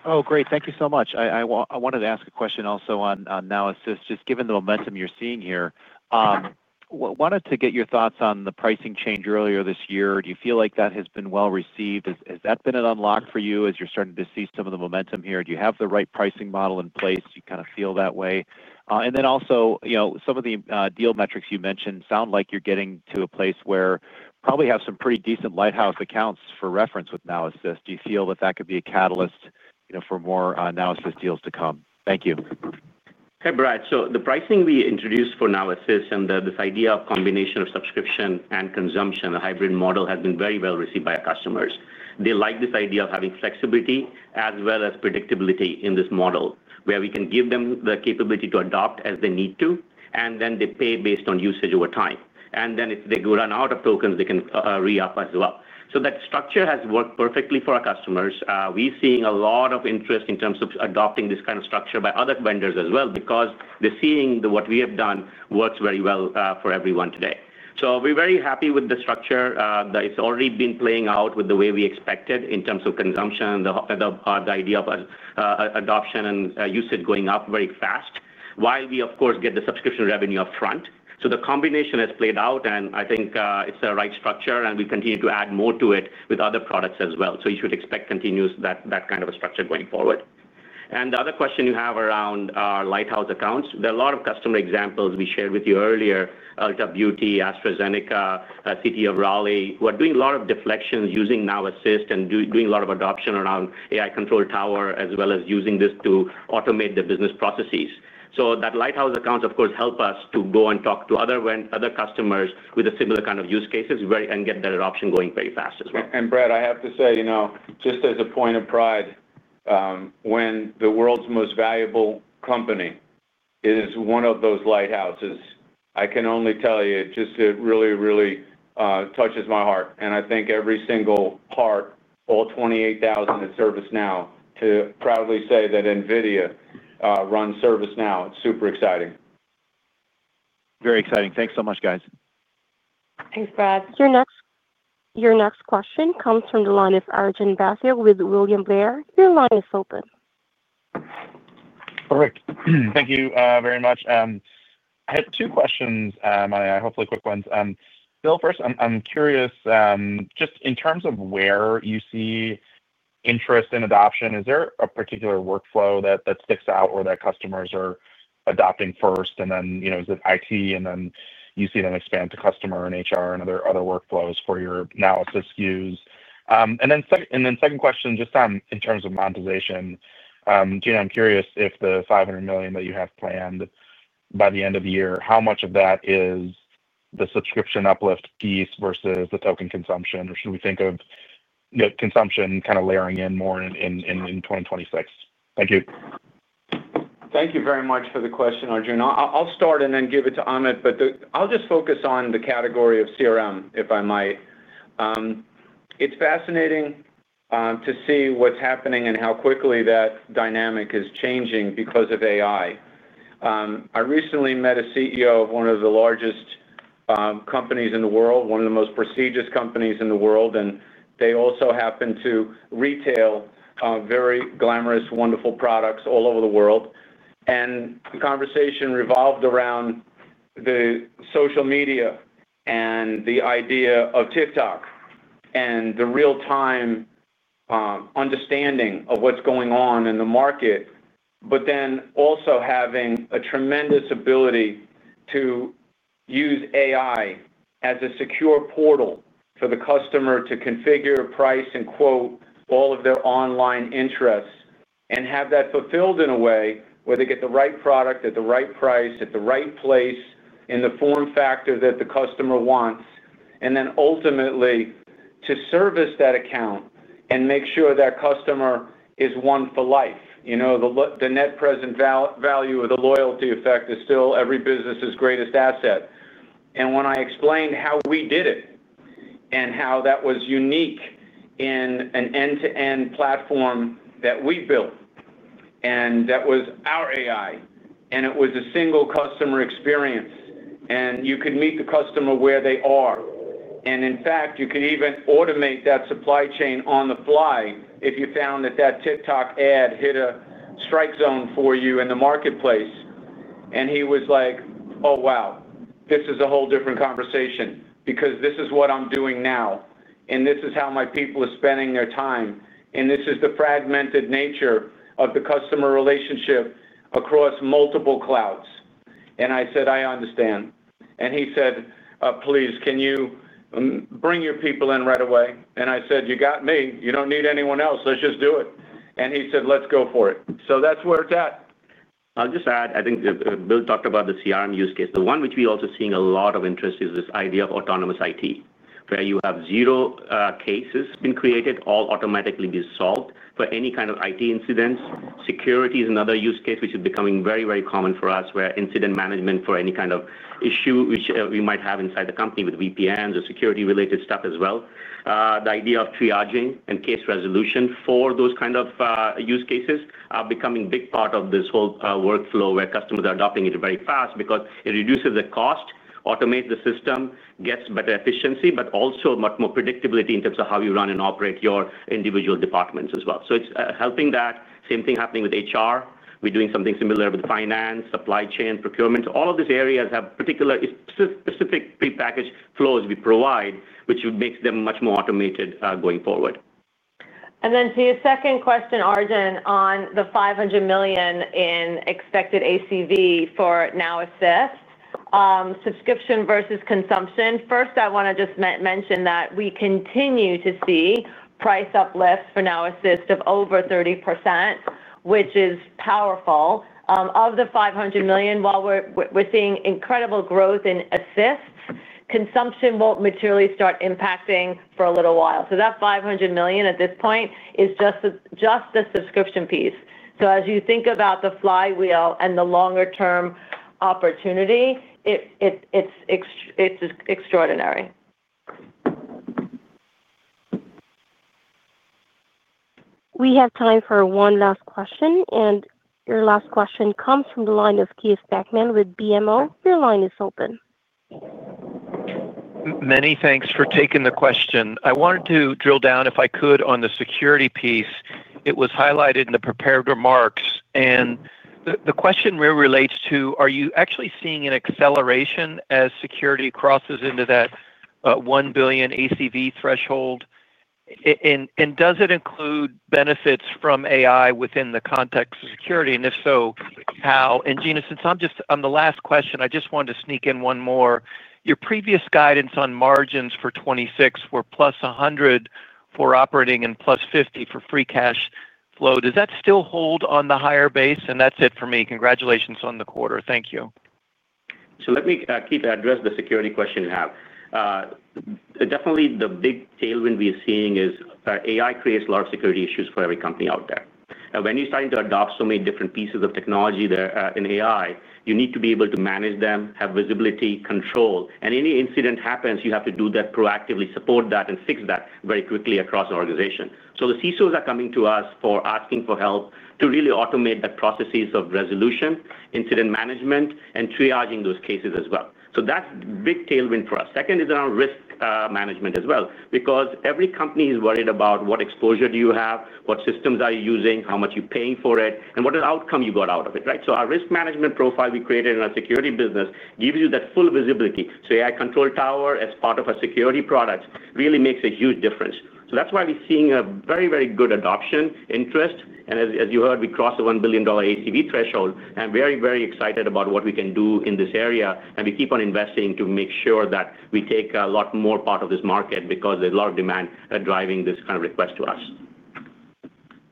Oh, great. Thank you so much. I wanted to ask a question also on Now Assist, just given the momentum you're seeing here. I wanted to get your thoughts on the pricing change earlier this year. Do you feel like that has been well received? Has that been an unlock for you as you're starting to see some of the momentum here? Do you have the right pricing model in place? Do you kind of feel that way? Also, you know some of the deal metrics you mentioned sound like you're getting to a place where you probably have some pretty decent lighthouse accounts for reference with Now Assist. Do you feel that that could be a catalyst for more Now Assist deals to come? Thank you. Okay, Brian. The pricing we introduced for Now Assist and this idea of a combination of subscription and consumption, the hybrid model, has been very well received by our customers. They like this idea of having flexibility as well as predictability in this model, where we can give them the capability to adopt as they need to, and then they pay based on usage over time. If they run out of tokens, they can re-up as well. That structure has worked perfectly for our customers. We're seeing a lot of interest in terms of adopting this kind of structure by other vendors as well because they're seeing that what we have done works very well for everyone today. We're very happy with the structure that has already been playing out with the way we expected in terms of consumption, the idea of adoption and usage going up very fast, while we, of course, get the subscription revenue up front. The combination has played out, and I think it's the right structure, and we'll continue to add more to it with other products as well. You should expect that kind of a structure going forward. The other question you have around our lighthouse accounts, there are a lot of customer examples we shared with you earlier: Ulta Beauty, AstraZeneca, City of Raleigh, who are doing a lot of deflections using Now Assist and doing a lot of adoption around AI Control Tower as well as using this to automate their business processes. Lighthouse accounts, of course, help us to go and talk to other customers with a similar kind of use cases and get that adoption going very fast as well. Brad, I have to say, you know just as a point of pride, when the world's most valuable company is one of those lighthouses, I can only tell you it just really, really touches my heart. I think every single heart, all 28,000 at ServiceNow, to proudly say that NVIDIA runs ServiceNow, it's super exciting. Very exciting. Thanks so much, guys. Thanks, Brad. Your next question comes from the line of Arjun Bhatia with William Blair. Your line is open. Perfect. Thank you very much. I had two questions, Amit, hopefully quick ones. Bill, first, I'm curious, just in terms of where you see interest in adoption, is there a particular workflow that sticks out or that customers are adopting first, and then you know is it IT, and then you see them expand to customer and HR and other workflows for your Now Assist use? Second question, just in terms of monetization, Gina, I'm curious if the $500 million that you have planned by the end of the year, how much of that is the subscription uplift piece versus the token consumption, or should we think of consumption kind of layering in more in 2026? Thank you. Thank you very much for the question, Arjun. I'll start and then give it to Amit, but I'll just focus on the category of CRM, if I might. It's fascinating to see what's happening and how quickly that dynamic is changing because of AI. I recently met a CEO of one of the largest companies in the world, one of the most prestigious companies in the world, and they also happen to retail very glamorous, wonderful products all over the world. The conversation revolved around the social media and the idea of TikTok and the real-time understanding of what's going on in the market, but then also having a tremendous ability to use AI as a secure portal for the customer to configure, price, and quote all of their online interests and have that fulfilled in a way where they get the right product at the right price, at the right place, in the form factor that the customer wants, and ultimately to service that account and make sure that customer is one for life. You know the net present value or the loyalty effect is still every business's greatest asset. When I explained how we did it and how that was unique in an end-to-end platform that we built and that was our AI, and it was a single customer experience, and you could meet the customer where they are. In fact, you could even automate that supply chain on the fly if you found that that TikTok ad hit a strike zone for you in the marketplace. He was like, "Oh, wow. This is a whole different conversation because this is what I'm doing now, and this is how my people are spending their time, and this is the fragmented nature of the customer relationship across multiple clouds." I said, "I understand." He said, "Please, can you bring your people in right away?" I said, "You got me. You don't need anyone else. Let's just do it." He said, "Let's go for it." That's where it's at. I'll just add, I think Bill talked about the CRM use case. The one which we're also seeing a lot of interest in is this idea of autonomous IT, where you have zero cases being created, all automatically being solved for any kind of IT incidents. Security is another use case which is becoming very, very common for us, where incident management for any kind of issue which we might have inside the company with VPNs or security-related stuff as well. The idea of triaging and case resolution for those kinds of use cases is becoming a big part of this whole workflow where customers are adopting it very fast because it reduces the cost, automates the system, gets better efficiency, but also much more predictability in terms of how you run and operate your individual departments as well. It's helping that. The same thing is happening with HR. We're doing something similar with finance, supply chain, procurement. All of these areas have particular specific prepackaged flows we provide, which makes them much more automated going forward. To your second question, Arjun, on the $500 million in expected ACV for Now Assist, subscription versus consumption. First, I want to just mention that we continue to see price uplifts for Now Assist of over 30%, which is powerful. Of the $500 million, while we're seeing incredible growth in assists, consumption won't materially start impacting for a little while. That $500 million at this point is just the subscription piece. As you think about the flywheel and the longer-term opportunity, it's extraordinary. We have time for one last question, and your last question comes from the line of Keith Spackman with BMO. Your line is open. Many thanks for taking the question. I wanted to drill down, if I could, on the security piece. It was highlighted in the prepared remarks. The question really relates to, are you actually seeing an acceleration as security crosses into that $1 billion ACV threshold? Does it include benefits from AI? within the context of security, and if so, how? Gina, since I'm just on the last question, I just wanted to sneak in one more. Your previous guidance on margins for 2026 were plus 100 for operating and plus 50 for free cash flow. Does that still hold on the higher base? That's it for me. Congratulations on the quarter. Thank you. Let me keep addressing the security question you have. Definitely, the big tailwind we are seeing is AI creates a lot of security issues for every company out there. When you're starting to adopt so many different pieces of technology in AI, you need to be able to manage them, have visibility, control. If any incident happens, you have to do that proactively, support that, and fix that very quickly across an organization. The CISOs are coming to us asking for help to really automate the processes of resolution, incident management, and triaging those cases as well. That's a big tailwind for us. Second is around risk management as well, because every company is worried about what exposure you have, what systems you are using, how much you're paying for it, and what the outcome you got out of it, right? Our risk management profile we created in our security business gives you that full visibility. AI Control Tower, as part of our security products, really makes a huge difference. That's why we're seeing a very, very good adoption, interest. As you heard, we crossed the $1 billion ACV threshold. I'm very, very excited about what we can do in this area. We keep on investing to make sure that we take a lot more part of this market, because there's a lot of demand driving this kind of request to us.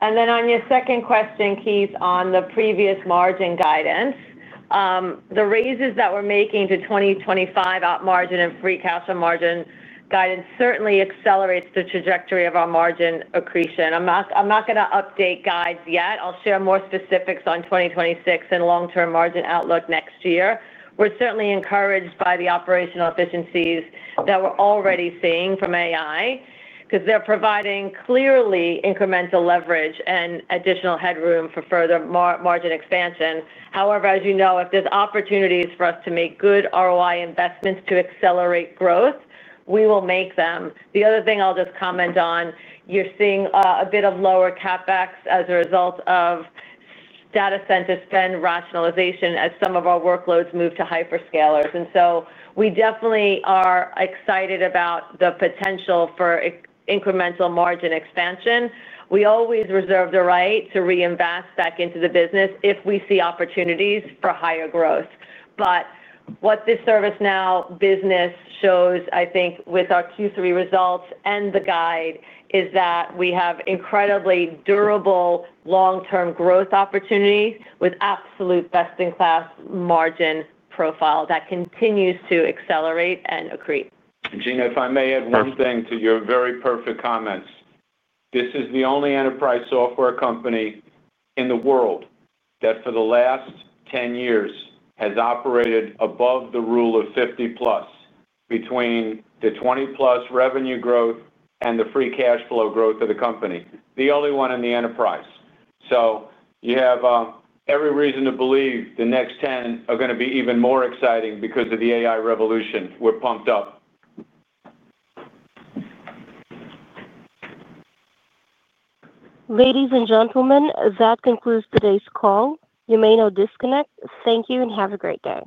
On your second question, Keith, on the previous margin guidance, the raises that we're making to 2025 margin and free cash flow margin guidance certainly accelerate the trajectory of our margin accretion. I'm not going to update guides yet. I'll share more specifics on 2026 and long-term margin outlook next year. We're certainly encouraged by the operational efficiencies that we're already seeing from AI, because they're providing clearly incremental leverage and additional headroom for further margin expansion. However, as you know, if there's opportunities for us to make good ROI investments to accelerate growth, we will make them. The other thing I'll just comment on, you're seeing a bit of lower CapEx as a result of data center spend rationalization as some of our workloads move to hyperscalers. We definitely are excited about the potential for incremental margin expansion. We always reserve the right to reinvest back into the business if we see opportunities for higher growth. What this ServiceNow business shows, I think, with our Q3 results and the guide, is that we have incredibly durable long-term growth opportunities with absolute best-in-class margin profile that continues to accelerate and accrete. Gina, if I may add one thing to your very perfect comments, this is the only enterprise software company in the world that for the last 10 years has operated above the Rule of 50+, between the 20+ revenue growth and the free cash flow growth of the company, the only one in the enterprise. You have every reason to believe the next 10 are going to be even more exciting because of the AI revolution. We're pumped up. Ladies and gentlemen, that concludes today's call. You may now disconnect. Thank you, and have a great day.